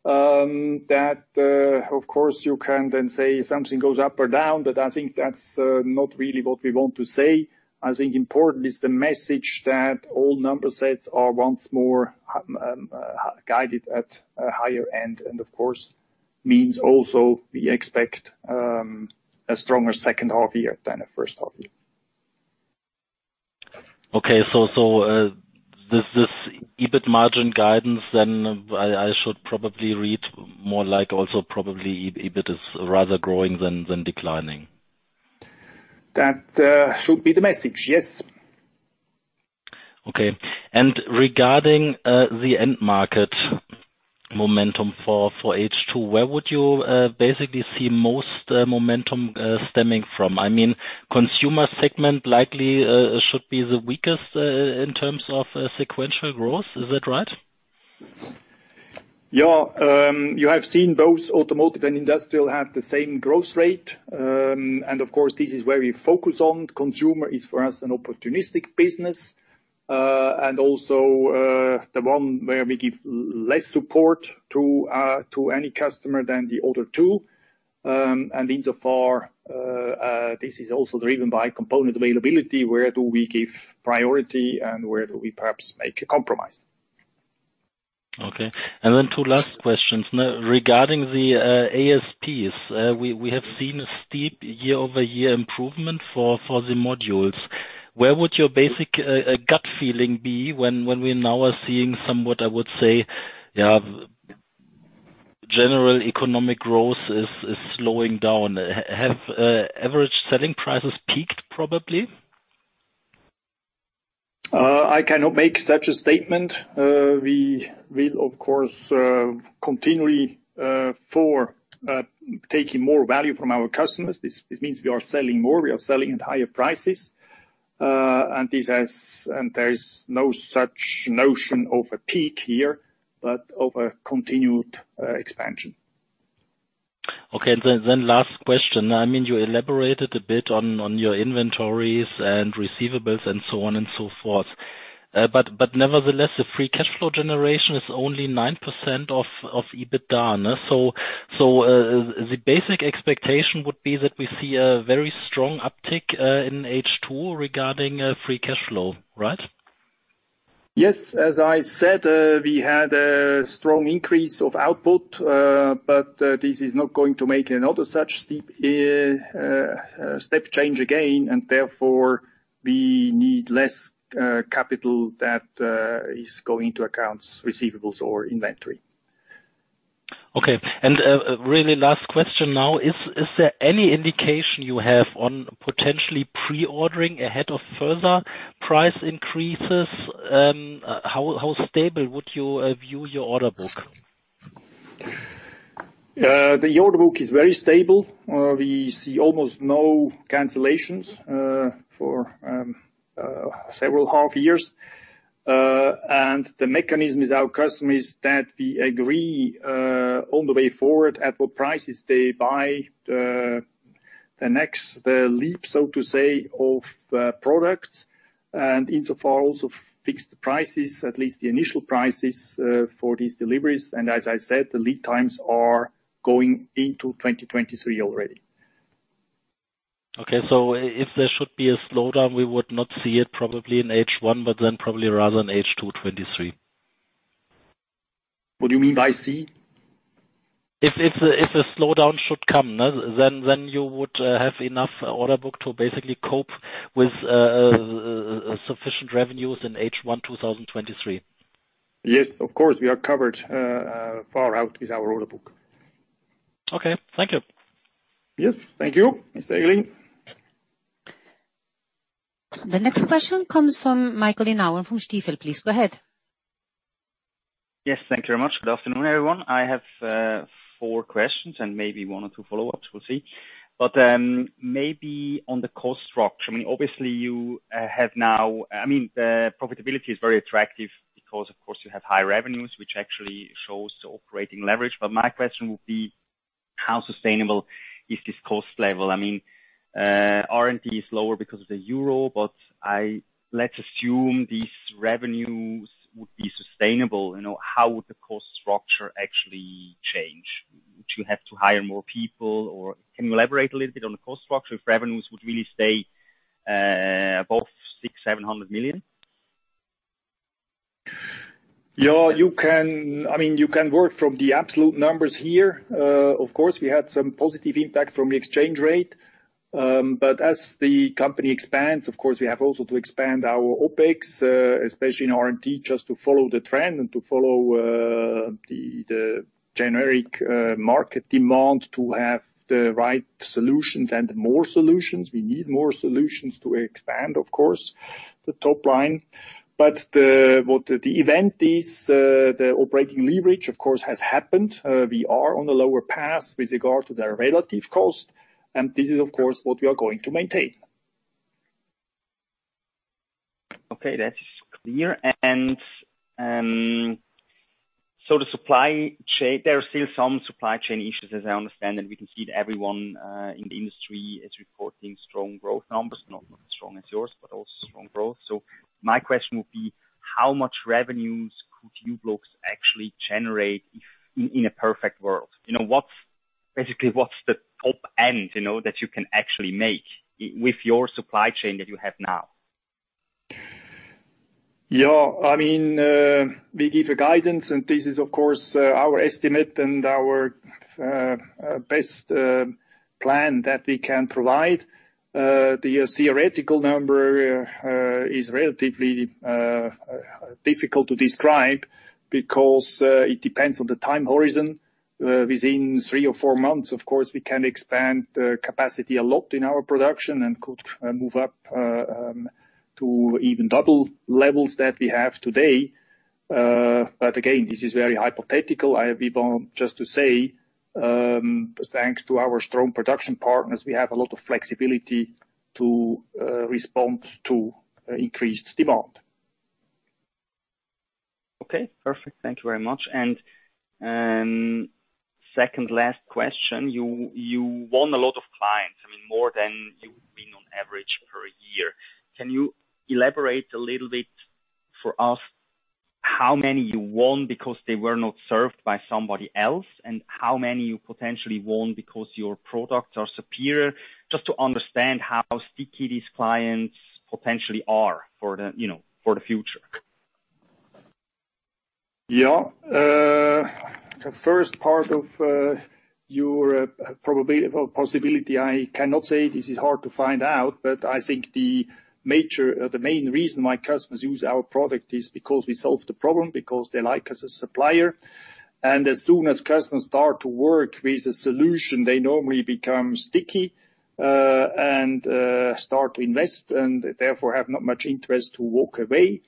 that of course you can then say something goes up or down, but I think that's not really what we want to say. I think important is the message that all number sets are once more guided at a higher end, and of course means also we expect a stronger second half year than the first half year. This EBIT margin guidance then I should probably read more like also probably EBIT is rather growing than declining. That should be the message, yes. Okay. Regarding the end market momentum for H2, where would you basically see most momentum stemming from? I mean, consumer segment likely should be the weakest in terms of sequential growth. Is that right? Yeah. You have seen both automotive and industrial have the same growth rate. Of course, this is where we focus on. Consumer is, for us, an opportunistic business, and also, the one where we give less support to any customer than the other two. Insofar, this is also driven by component availability, where do we give priority and where do we perhaps make a compromise. Okay. Two last questions. Now, regarding the ASPs, we have seen a steep year-over-year improvement for the modules. Where would your basic gut feeling be when we now are seeing somewhat, I would say, general economic growth is slowing down? Have average selling prices peaked probably? I cannot make such a statement. We will, of course, continually taking more value from our customers. This means we are selling more, we are selling at higher prices. There is no such notion of a peak here, but of a continued expansion. Okay. Last question. I mean, you elaborated a bit on your inventories and receivables and so on and so forth. But nevertheless, the free cash flow generation is only 9% of EBITDA. The basic expectation would be that we see a very strong uptick in H2 regarding free cash flow, right? Yes. As I said, we had a strong increase of output, but this is not going to make another such steep step change again, and therefore we need less capital that is going to accounts receivable or inventory. Okay. Really last question now. Is there any indication you have on potentially pre-ordering ahead of further price increases? How stable would you view your order book? The order book is very stable. We see almost no cancellations for several half years. The mechanism is our customers that we agree on the way forward at what prices they buy the next leap, so to say, of products, and insofar also fixed the prices, at least the initial prices, for these deliveries. As I said, the lead times are going into 2023 already. Okay, if there should be a slowdown, we would not see it probably in H1, but then probably rather in H2 2023. What do you mean by see? If a slowdown should come, then you would have enough order book to basically cope with sufficient revenues in H1 2023. Yes, of course we are covered. Far out is our order book. Okay, thank you. Yes, thank you, Mr. Eglin. The next question comes from Michael Inauen from Stifel. Please go ahead. Yes, thank you very much. Good afternoon, everyone. I have four questions and maybe one or two follow-ups. We'll see. Maybe on the cost structure, I mean, obviously you have now. I mean, the profitability is very attractive because, of course, you have high revenues, which actually shows the operating leverage. My question would be, how sustainable is this cost level? I mean, R&D is lower because of the euro, let's assume these revenues would be sustainable. You know, how would the cost structure actually change? Would you have to hire more people? Can you elaborate a little bit on the cost structure if revenues would really stay above 600 million-700 million? Yeah, you can, I mean, you can work from the absolute numbers here. Of course, we had some positive impact from the exchange rate. As the company expands, of course, we have also to expand our OpEx, especially in R&D, just to follow the trend and to follow the generic market demand to have the right solutions and more solutions. We need more solutions to expand, of course, the top line. What the intent is, the operating leverage, of course, has happened. We are on the lower path with regard to the relative cost, and this is, of course, what we are going to maintain. Okay, that is clear. The supply chain, there are still some supply chain issues, as I understand, and we can see that everyone in the industry is reporting strong growth numbers. Not as strong as yours, but also strong growth. My question would be, how much revenues could you folks actually generate if, in a perfect world? You know, basically, what's the top end, you know, that you can actually make with your supply chain that you have now? Yeah, I mean, we give a guidance, and this is of course our estimate and our best plan that we can provide. The theoretical number is relatively difficult to describe because it depends on the time horizon. Within 3 or 4 months, of course, we can expand the capacity a lot in our production and could move up to even double levels that we have today. Again, this is very hypothetical. I have been known just to say, thanks to our strong production partners, we have a lot of flexibility to respond to increased demand. Okay, perfect. Thank you very much. Second last question. You won a lot of clients, I mean, more than you would win on average per year. Can you elaborate a little bit for us how many you won because they were not served by somebody else, and how many you potentially won because your products are superior? Just to understand how sticky these clients potentially are for the, you know, for the future. Yeah. The first part of your possibility, I cannot say. This is hard to find out. I think the major, the main reason why customers use our product is because we solve the problem, because they like us as a supplier. As soon as customers start to work with a solution, they normally become sticky and start to invest and therefore have not much interest to walk away.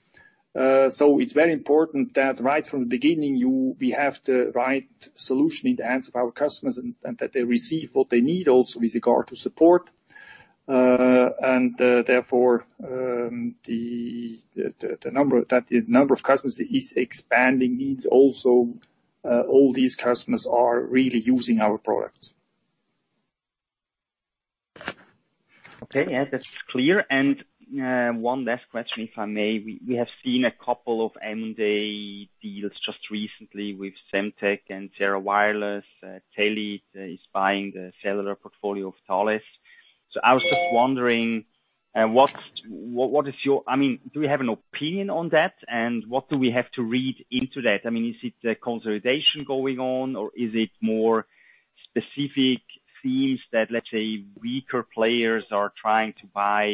It's very important that right from the beginning we have the right solution in the hands of our customers and that they receive what they need also with regard to support. Therefore, the number, that the number of customers is expanding, means also all these customers are really using our products. Okay, yeah, that's clear. One last question, if I may. We have seen a couple of M&A deals just recently with Semtech and Sierra Wireless. Telit is buying the cellular portfolio of Thales. I was just wondering, I mean, do we have an opinion on that? What do we have to read into that? I mean, is it a consolidation going on, or is it more specific these that, let's say, weaker players are trying to buy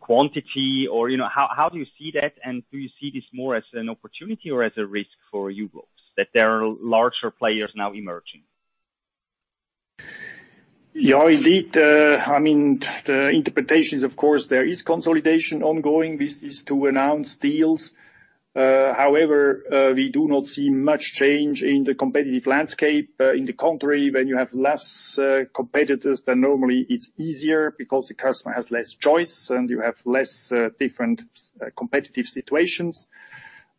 quality? You know, how do you see that, and do you see this more as an opportunity or as a risk for you folks, that there are larger players now emerging? Yeah, indeed. I mean, the interpretation is, of course, there is consolidation ongoing. This is two announced deals. However, we do not see much change in the competitive landscape. On the contrary, when you have less competitors, then normally it's easier because the customer has less choice and you have less different competitive situations.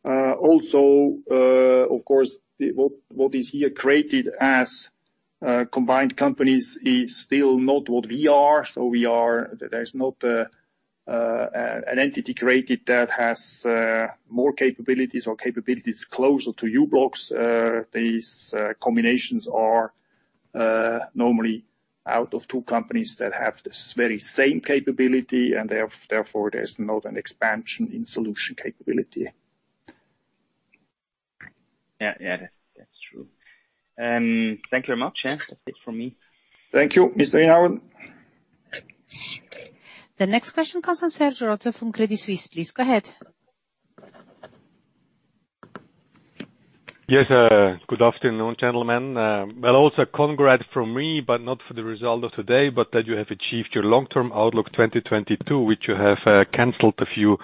Also, of course, what is here created as combined companies is still not what we are. There is not an entity created that has more capabilities or capabilities closer to u-blox. These combinations are normally out of two companies that have this very same capability, and therefore, there's not an expansion in solution capability. Yeah. Yeah, that's true. Thank you very much. Yeah, that's it from me. Thank you, Mr. Inauen. The next question comes from Serge Rotzer from Credit Suisse. Please go ahead. Yes, good afternoon, gentlemen. Well, also congrats from me, but not for the result of today, but that you have achieved your long-term outlook 2022, which you have canceled a few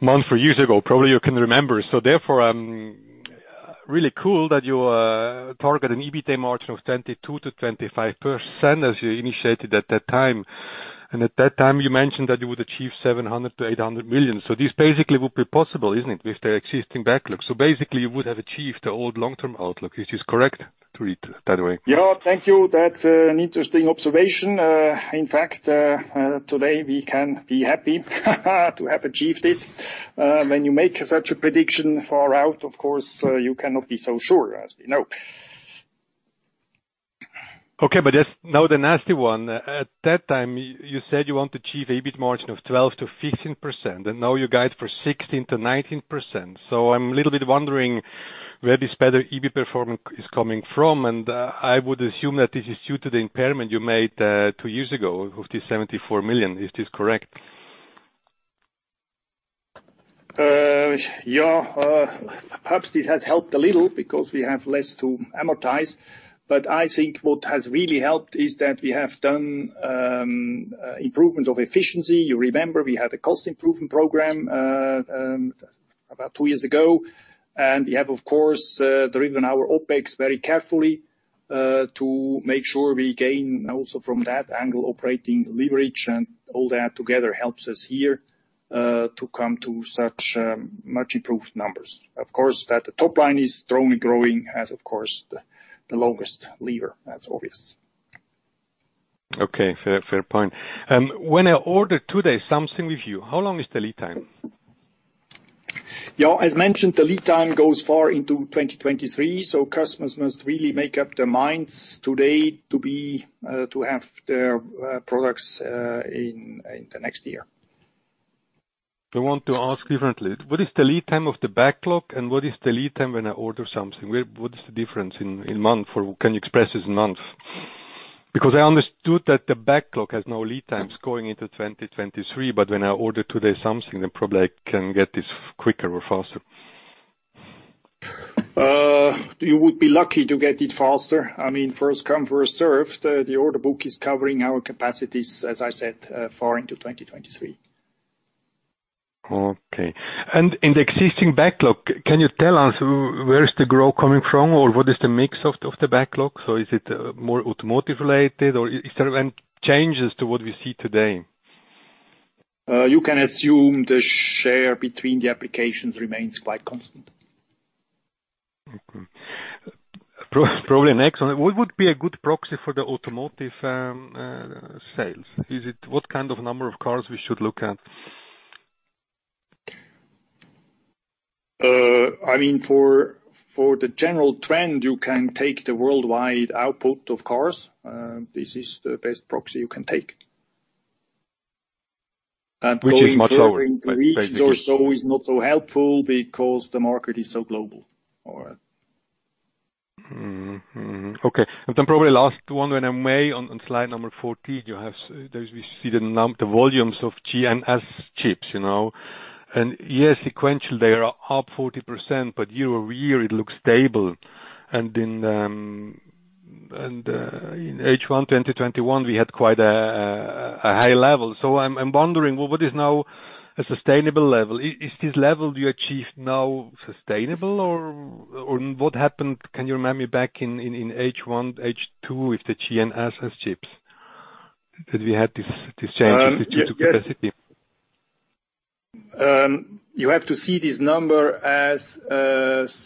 months or years ago, probably you can remember. Therefore, really cool that you target an EBITDA margin of 22%-25% as you initiated at that time. At that time, you mentioned that you would achieve 700 million-800 million. This basically would be possible, isn't it, with the existing backlog? Basically, you would have achieved the old long-term outlook. It is correct to read that way? Yeah. Thank you. That's an interesting observation. In fact, today, we can be happy to have achieved it. When you make such a prediction far out, of course, you cannot be so sure as we know. Okay, just now the nasty one. At that time, you said you want to achieve EBIT margin of 12%-15%, and now you guide for 16%-19%. I'm a little bit wondering where this better EBIT performance is coming from, and I would assume that this is due to the impairment you made two years ago with the 74 million. Is this correct? Perhaps this has helped a little because we have less to amortize. I think what has really helped is that we have done improvements of efficiency. You remember we had a cost improvement program about two years ago. We have, of course, driven our OpEx very carefully to make sure we gain also from that angle. Operating leverage and all that together helps us here to come to such much improved numbers. Of course, that the top line is strongly growing as, of course, the longest lever. That's obvious. Okay, fair point. When I order today something with you, how long is the lead time? Yeah, as mentioned, the lead time goes far into 2023, so customers must really make up their minds today to have their products in the next year. I want to ask differently. What is the lead time of the backlog and what is the lead time when I order something? What is the difference in month or can you express this in month? Because I understood that the backlog has no lead times going into 2023, but when I order today something, then probably I can get this quicker or faster. You would be lucky to get it faster. I mean, first come, first served. The order book is covering our capacities, as I said, far into 2023. Okay. In the existing backlog, can you tell us where is the growth coming from or what is the mix of the backlog? Is it more automotive related or is there any changes to what we see today? You can assume the share between the applications remains quite constant. Okay. Probably next one. What would be a good proxy for the automotive sales? What kind of number of cars we should look at? I mean, for the general trend, you can take the worldwide output, of course. This is the best proxy you can take. Which is much lower, basically. is not so helpful because the market is so global. All right. Okay. Then probably last one, when I'm on slide number 14, you have those we see the volumes of GNSS chips, you know. Sequentially, they are up 40%, but year-over-year it looks stable. In H1 2021, we had quite a high level. I'm wondering, what is now a sustainable level? Is this level you achieved now sustainable or what happened? Can you remind me back in H1, H2 with the GNSS chips that we had this change? Yes. due to capacity. You have to see this number as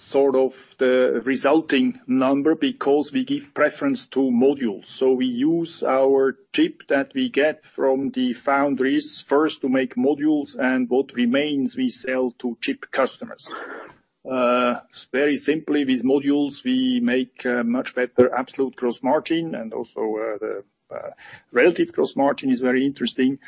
sort of the resulting number because we give preference to modules. We use our chip that we get from the foundries first to make modules, and what remains we sell to chip customers. Very simply, these modules we make much better absolute gross margin and also the relative gross margin is very interesting.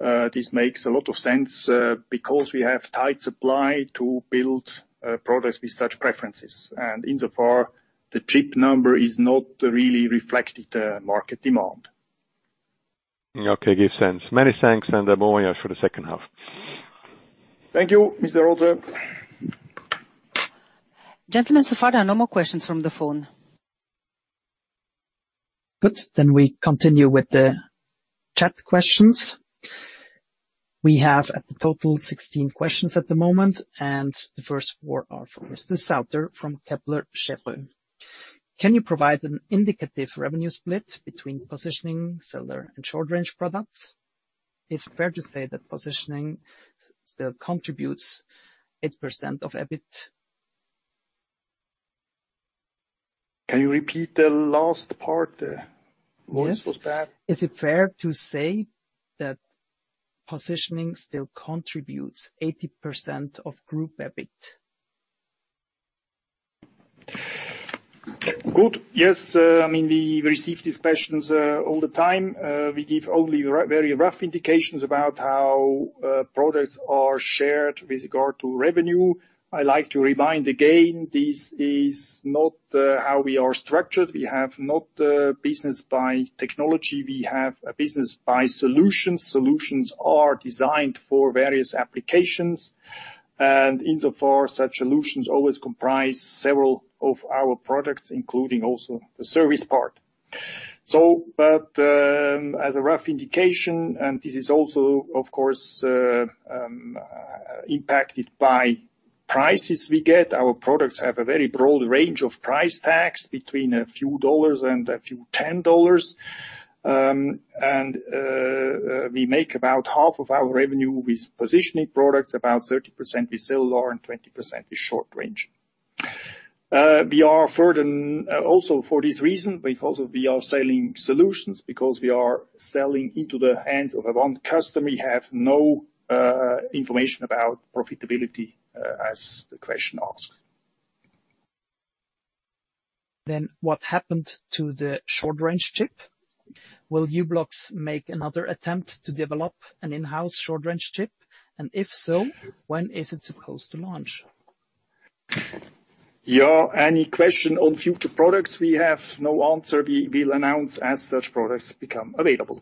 This makes a lot of sense because we have tight supply to build products with such preferences. Insofar, the chip number is not really reflected market demand. Okay. Makes sense. Many thanks. Bon voyage for the second half. Thank you, Mr. Rotzer. Gentlemen, so far, there are no more questions from the phone. Good. We continue with the chat questions. We have in total 16 questions at the moment, and the first four are from Torsten Sauter from Kepler Cheuvreux. Can you provide an indicative revenue split between positioning, cellular and short range products? Is it fair to say that positioning still contributes 8% of EBIT? Can you repeat the last part? Yes. The voice was bad. Is it fair to say that positioning still contributes 80% of group EBIT? Good. Yes. I mean, we receive these questions all the time. We give only very rough indications about how products are shared with regard to revenue. I like to remind again, this is not how we are structured. We have no business by technology. We have a business by solutions. Solutions are designed for various applications, and insofar such solutions always comprise several of our products, including also the service part. As a rough indication, and this is also, of course, impacted by prices we get. Our products have a very broad range of price tags, between a few dollars and a few tens of dollars. And we make about half of our revenue with positioning products. About 30% with cellular, and 20% is short range. We are further, also for this reason, because we are selling solutions, because we are selling into the hands of one customer, we have no information about profitability, as the question asks. What happened to the short range chip? Will u-blox make another attempt to develop an in-house short range chip? If so, when is it supposed to launch? Yeah, any question on future products, we have no answer. We'll announce as such products become available.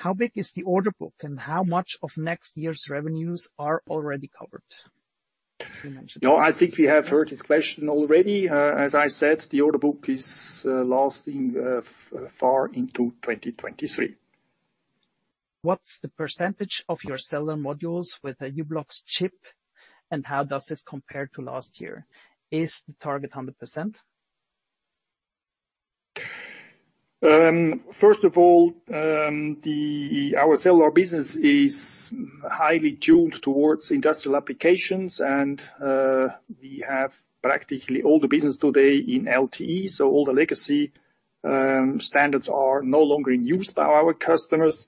How big is the order book, and how much of next year's revenues are already covered? No, I think we have heard this question already. As I said, the order book is lasting far into 2023. What's the percentage of your cellular modules with a u-blox chip, and how does this compare to last year? Is the target 100%? First of all, our cellular business is highly tuned towards industrial applications, and we have practically all the business today in LTE, so all the legacy standards are no longer in use by our customers.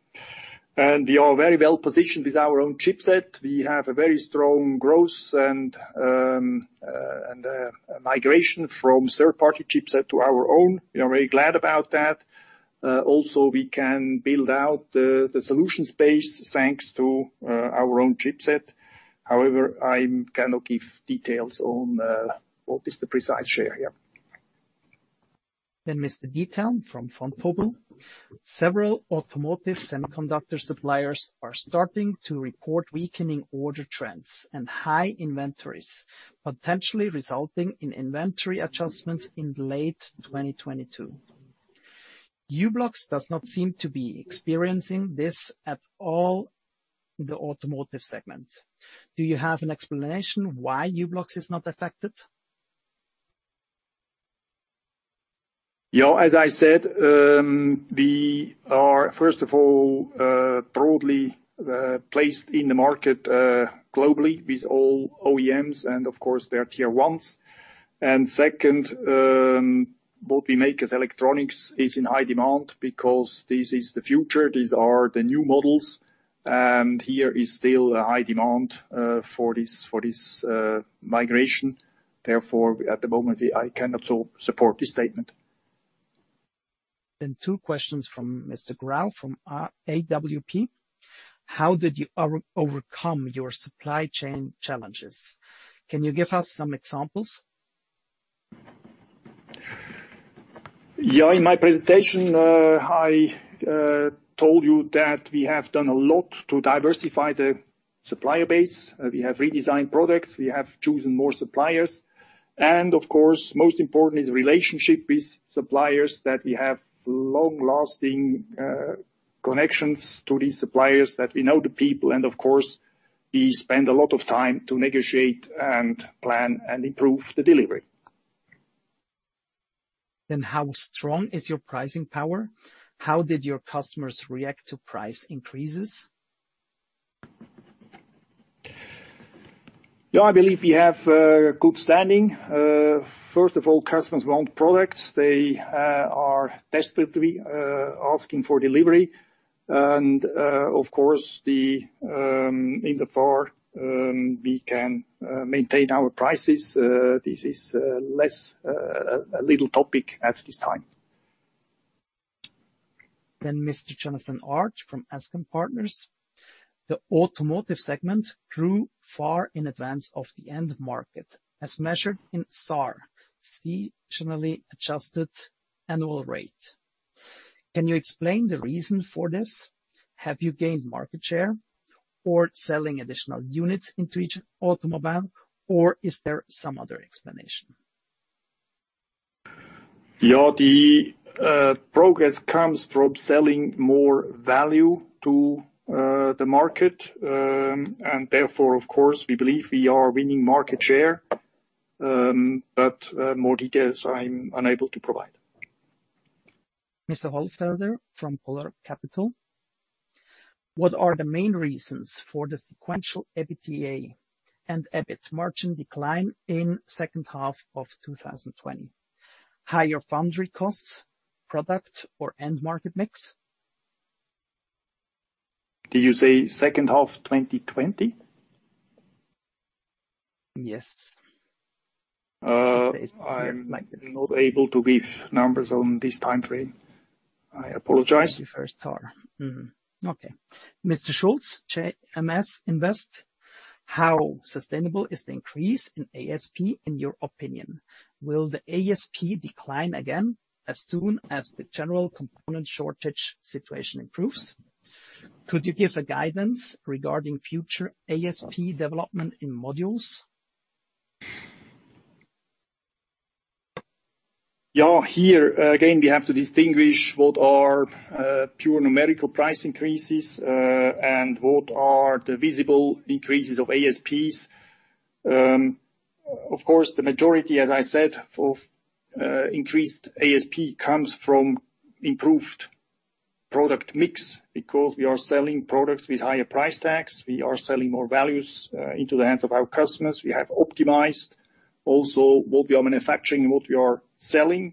We are very well positioned with our own chipset. We have a very strong growth and a migration from third-party chipset to our own. We are very glad about that. Also, we can build out the solutions base thanks to our own chipset. However, I cannot give details on what is the precise share. Michael Diethelm from Vontobel. Several automotive semiconductor suppliers are starting to report weakening order trends and high inventories, potentially resulting in inventory adjustments in late 2022. u-blox does not seem to be experiencing this at all in the automotive segment. Do you have an explanation why u-blox is not affected? Yeah. As I said, we are, first of all, broadly placed in the market globally with all OEMs and of course their tier ones. Second, what we make as electronics is in high demand because this is the future. These are the new models, and here is still a high demand for this migration. Therefore, at the moment, I cannot support this statement. Two questions from Andreas Grau from AWP. How did you overcome your supply chain challenges? Can you give us some examples? Yeah. In my presentation, I told you that we have done a lot to diversify the supplier base. We have redesigned products, we have chosen more suppliers. Of course, most important is relationship with suppliers, that we have long-lasting connections to these suppliers, that we know the people, and of course we spend a lot of time to negotiate and plan and improve the delivery. How strong is your pricing power? How did your customers react to price increases? Yeah. I believe we have a good standing. First of all, customers want products. They are desperately asking for delivery. Of course, insofar as we can maintain our prices. This is less of a little topic at this time. Mr. Jonathan Arch from Ascom Partners. The automotive segment grew far in advance of the end market, as measured in SAAR, Seasonally Adjusted Annual Rate. Can you explain the reason for this? Have you gained market share or selling additional units into each automobile, or is there some other explanation? The progress comes from selling more value to the market. Therefore, of course, we believe we are winning market share. More details I'm unable to provide. Mr. Hollfelder from Polar Capital. What are the main reasons for the sequential EBITDA and EBIT margin decline in second half of 2020? Higher foundry costs, product or end market mix? Did you say second half 2020? Yes. I'm not able to give numbers on this time frame. I apologize. Michael Schulz, JMS Invest. How sustainable is the increase in ASP in your opinion? Will the ASP decline again as soon as the general component shortage situation improves? Could you give a guidance regarding future ASP development in modules? Yeah. Here, again, we have to distinguish what are pure numerical price increases and what are the visible increases of ASPs. Of course, the majority, as I said, of increased ASP comes from improved product mix because we are selling products with higher price tags. We are selling more values into the hands of our customers. We have optimized also what we are manufacturing and what we are selling.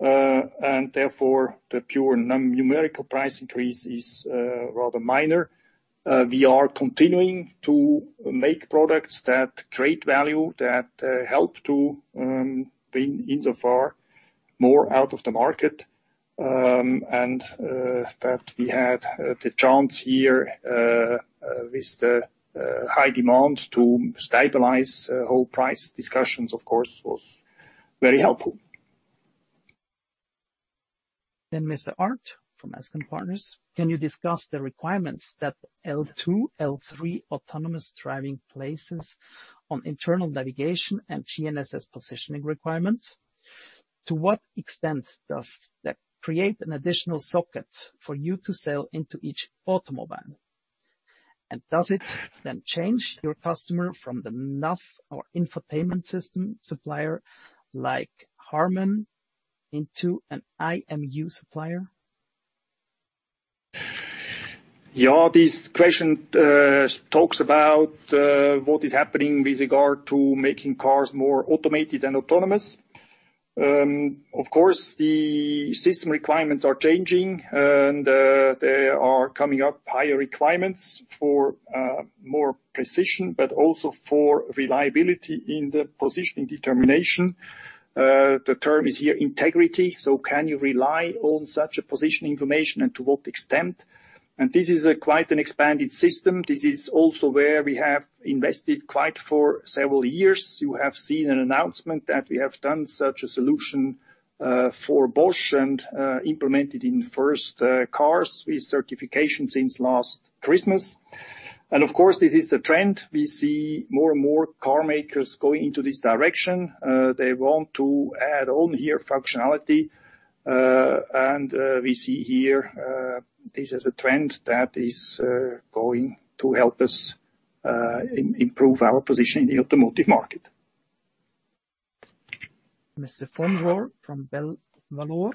Therefore, the pure numerical price increase is rather minor. We are continuing to make products that create value, that help to bring insofar more out of the market. That we had the chance here with the high demand to stabilize all price discussions, of course, was very helpful. Mr. Arch from Ascom Partners. Can you discuss the requirements that L2, L3 autonomous driving places on internal navigation and GNSS positioning requirements? To what extent does that create an additional socket for you to sell into each automobile? And does it then change your customer from the nav or infotainment system supplier like Harman into an IMU supplier? Yeah. This question talks about what is happening with regard to making cars more automated and autonomous. Of course, the system requirements are changing and there are coming up higher requirements for more precision, but also for reliability in the positioning determination. The term is here integrity. Can you rely on such a position information and to what extent? This is a quite an expanded system. This is also where we have invested quite for several years. You have seen an announcement that we have done such a solution for Bosch and implemented in first cars with certification since last Christmas. Of course, this is the trend. We see more and more car makers going into this direction. They want to add on here functionality. We see here, this is a trend that is going to help us improve our position in the automotive market. Fabrice Fonrouge from Belvalor.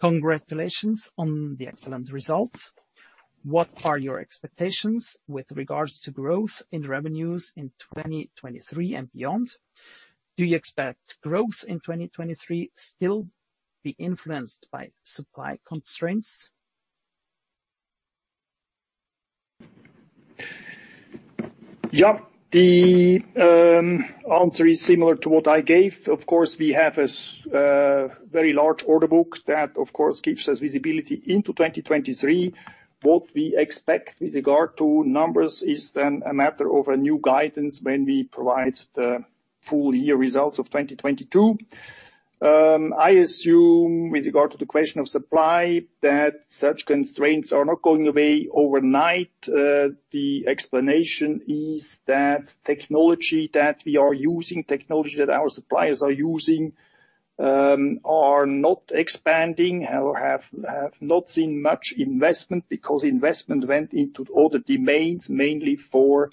Congratulations on the excellent results. What are your expectations with regards to growth in revenues in 2023 and beyond? Do you expect growth in 2023 still be influenced by supply constraints? Yeah. The answer is similar to what I gave. Of course, we have a very large order book that, of course, gives us visibility into 2023. What we expect with regard to numbers is then a matter of a new guidance when we provide the full year results of 2022. I assume with regard to the question of supply that such constraints are not going away overnight. The explanation is that technology that we are using, technology that our suppliers are using, are not expanding or have not seen much investment because investment went into other domains, mainly for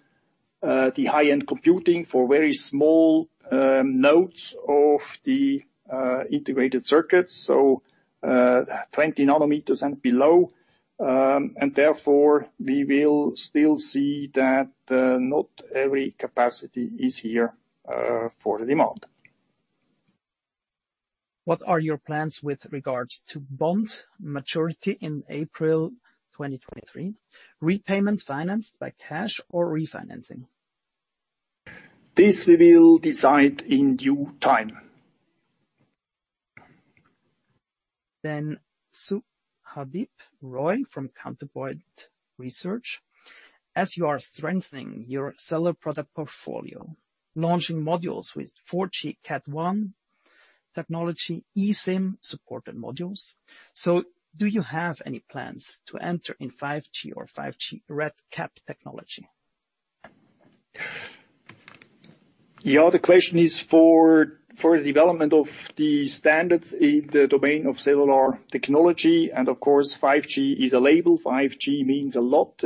the high-end computing for very small nodes of the integrated circuits. 20 nanometers and below. Therefore, we will still see that not every capacity is here for the demand. What are your plans with regards to bond maturity in April 2023? Repayment financed by cash or refinancing? This we will decide in due time. Subhadip Roy from Counterpoint Research. As you are strengthening your cellular product portfolio, launching modules with 4G Cat 1 technology eSIM supported modules. Do you have any plans to enter in 5G or 5G RedCap technology? The question is for the development of the standards in the domain of cellular technology, and of course, 5G is a label. 5G means a lot.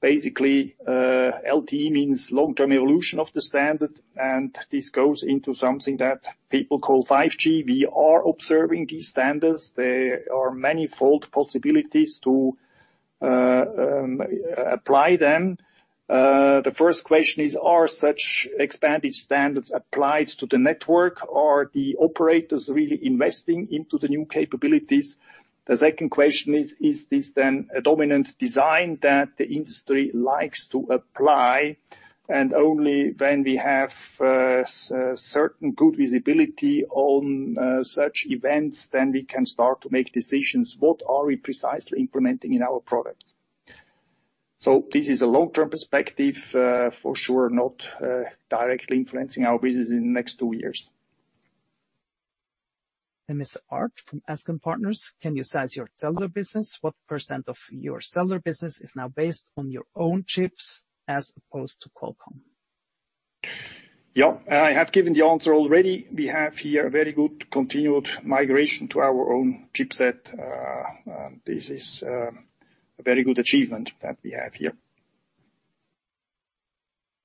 Basically, LTE means long-term evolution of the standard, and this goes into something that people call 5G. We are observing these standards. There are manifold possibilities to apply them. The first question is, are such expanded standards applied to the network? Are the operators really investing into the new capabilities? The second question is this then a dominant design that the industry likes to apply? Only when we have certain good visibility on such events, then we can start to make decisions, what are we precisely implementing in our product. This is a long-term perspective, for sure, not directly influencing our business in the next two years. Michael Hecht from Ascom Partners: Can you size your cellular business? What % of your cellular business is now based on your own chips as opposed to Qualcomm? I have given the answer already. We have here a very good continued migration to our own chipset. This is a very good achievement that we have here.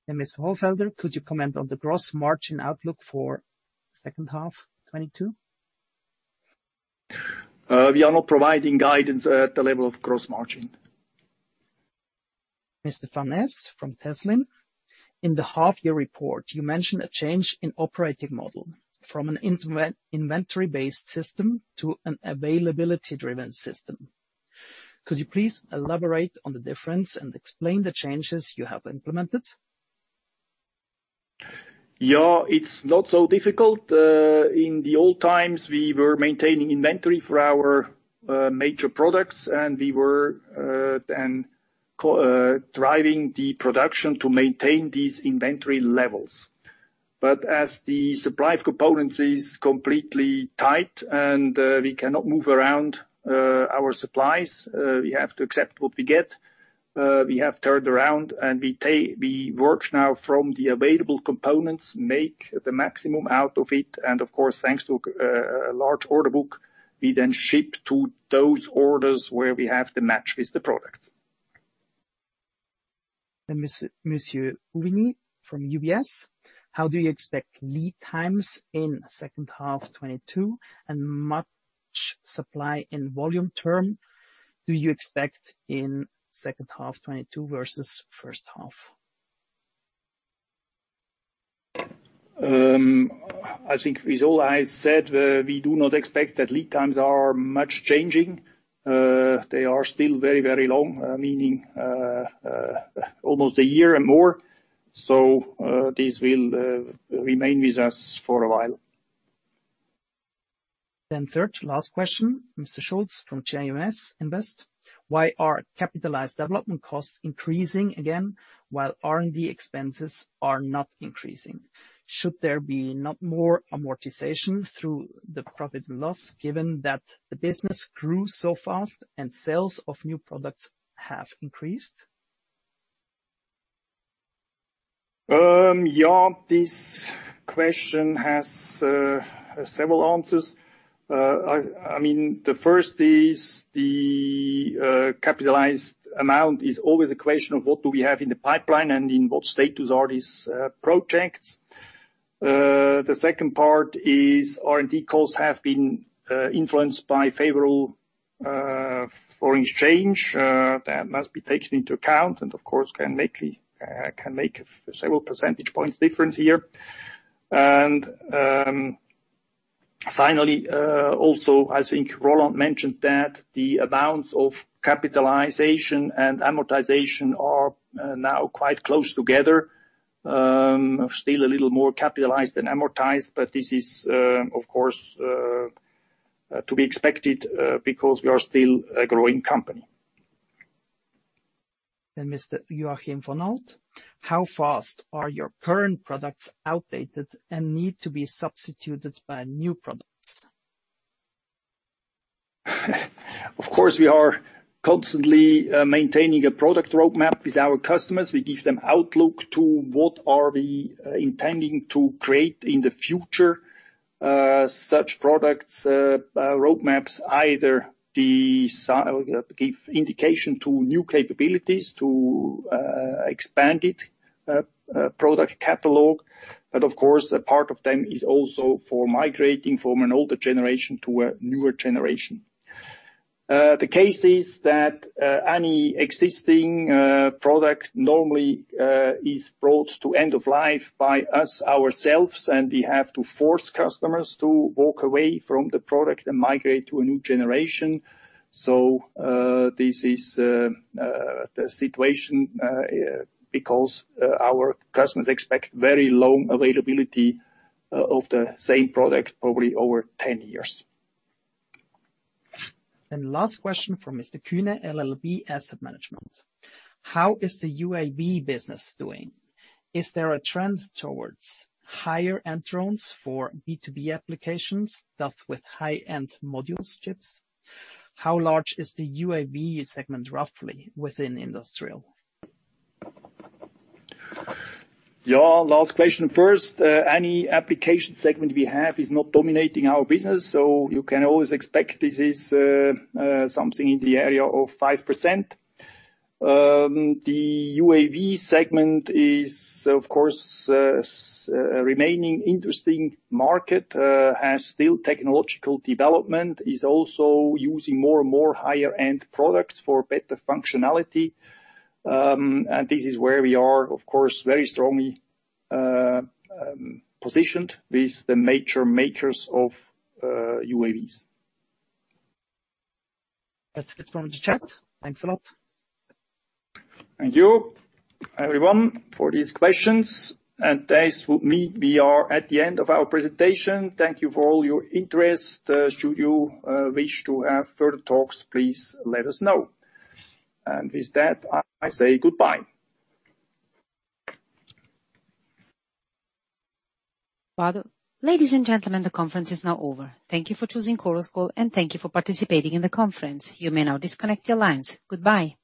Could you comment on the gross margin outlook for second half 2022? We are not providing guidance at the level of gross margin. Mr. Fones from Teslin: In the half year report, you mentioned a change in operating model from an invent-inventory-based system to an availability-driven system. Could you please elaborate on the difference and explain the changes you have implemented? Yeah. It's not so difficult. In the old times, we were maintaining inventory for our major products, and we were driving the production to maintain these inventory levels. As the supply of components is completely tight and we cannot move around our supplies, we have to accept what we get. We have turned around and we work now from the available components, make the maximum out of it, and of course, thanks to a large order book, we then ship to those orders where we have the match with the product. Francois-Xavier Rigney from UBS: How do you expect lead times in second half 2022, and how much supply in volume terms do you expect in second half 2022 versus first half? I think with all I said, we do not expect that lead times are much changing. They are still very, very long, meaning almost a year and more. This will remain with us for a while. Third to last question, Michael Schulz from JMS Invest: Why are capitalized development costs increasing again while R&D expenses are not increasing? Should there be not more amortization through the profit and loss given that the business grew so fast and sales of new products have increased? Yeah. This question has several answers. I mean the first is the capitalized amount is always a question of what do we have in the pipeline, and in what status are these projects. The second part is R&D costs have been influenced by favorable foreign exchange that must be taken into account and of course can make several percentage points difference here. Finally, also I think Roland mentioned that the amounts of capitalization and amortization are now quite close together. Still a little more capitalized than amortized, but this is, of course, to be expected, because we are still a growing company. Mr. Joachim von Alt: How fast are your current products outdated and need to be substituted by new products? Of course, we are constantly maintaining a product roadmap with our customers. We give them outlook to what are we intending to create in the future. Such product roadmaps either give indication to new capabilities to expand it product catalog. Of course, a part of them is also for migrating from an older generation to a newer generation. The case is that any existing product normally is brought to end of life by us ourselves, and we have to force customers to walk away from the product and migrate to a new generation. This is the situation because our customers expect very long availability of the same product, probably over 10 years. Last question from Klaus-Michael Kühne, LLB Asset Management: How is the UAV business doing? Is there a trend towards higher-end drones for B2B applications, thus with high-end module chips? How large is the UAV segment roughly within industrial? Yeah. Last question first. Any application segment we have is not dominating our business, so you can always expect this is something in the area of 5%. The UAV segment is of course still an interesting market, has still technological development. It's also using more and more higher-end products for better functionality. This is where we are, of course, very strongly positioned with the manufacturers of UAVs. That's it from the chat. Thanks a lot. Thank you everyone for these questions. This will mean we are at the end of our presentation. Thank you for all your interest. Should you wish to have further talks, please let us know. With that, I say goodbye. Ladies and gentlemen, the conference is now over. Thank you for choosing Chorus Call, and thank you for participating in the conference. You may now disconnect your lines. Goodbye.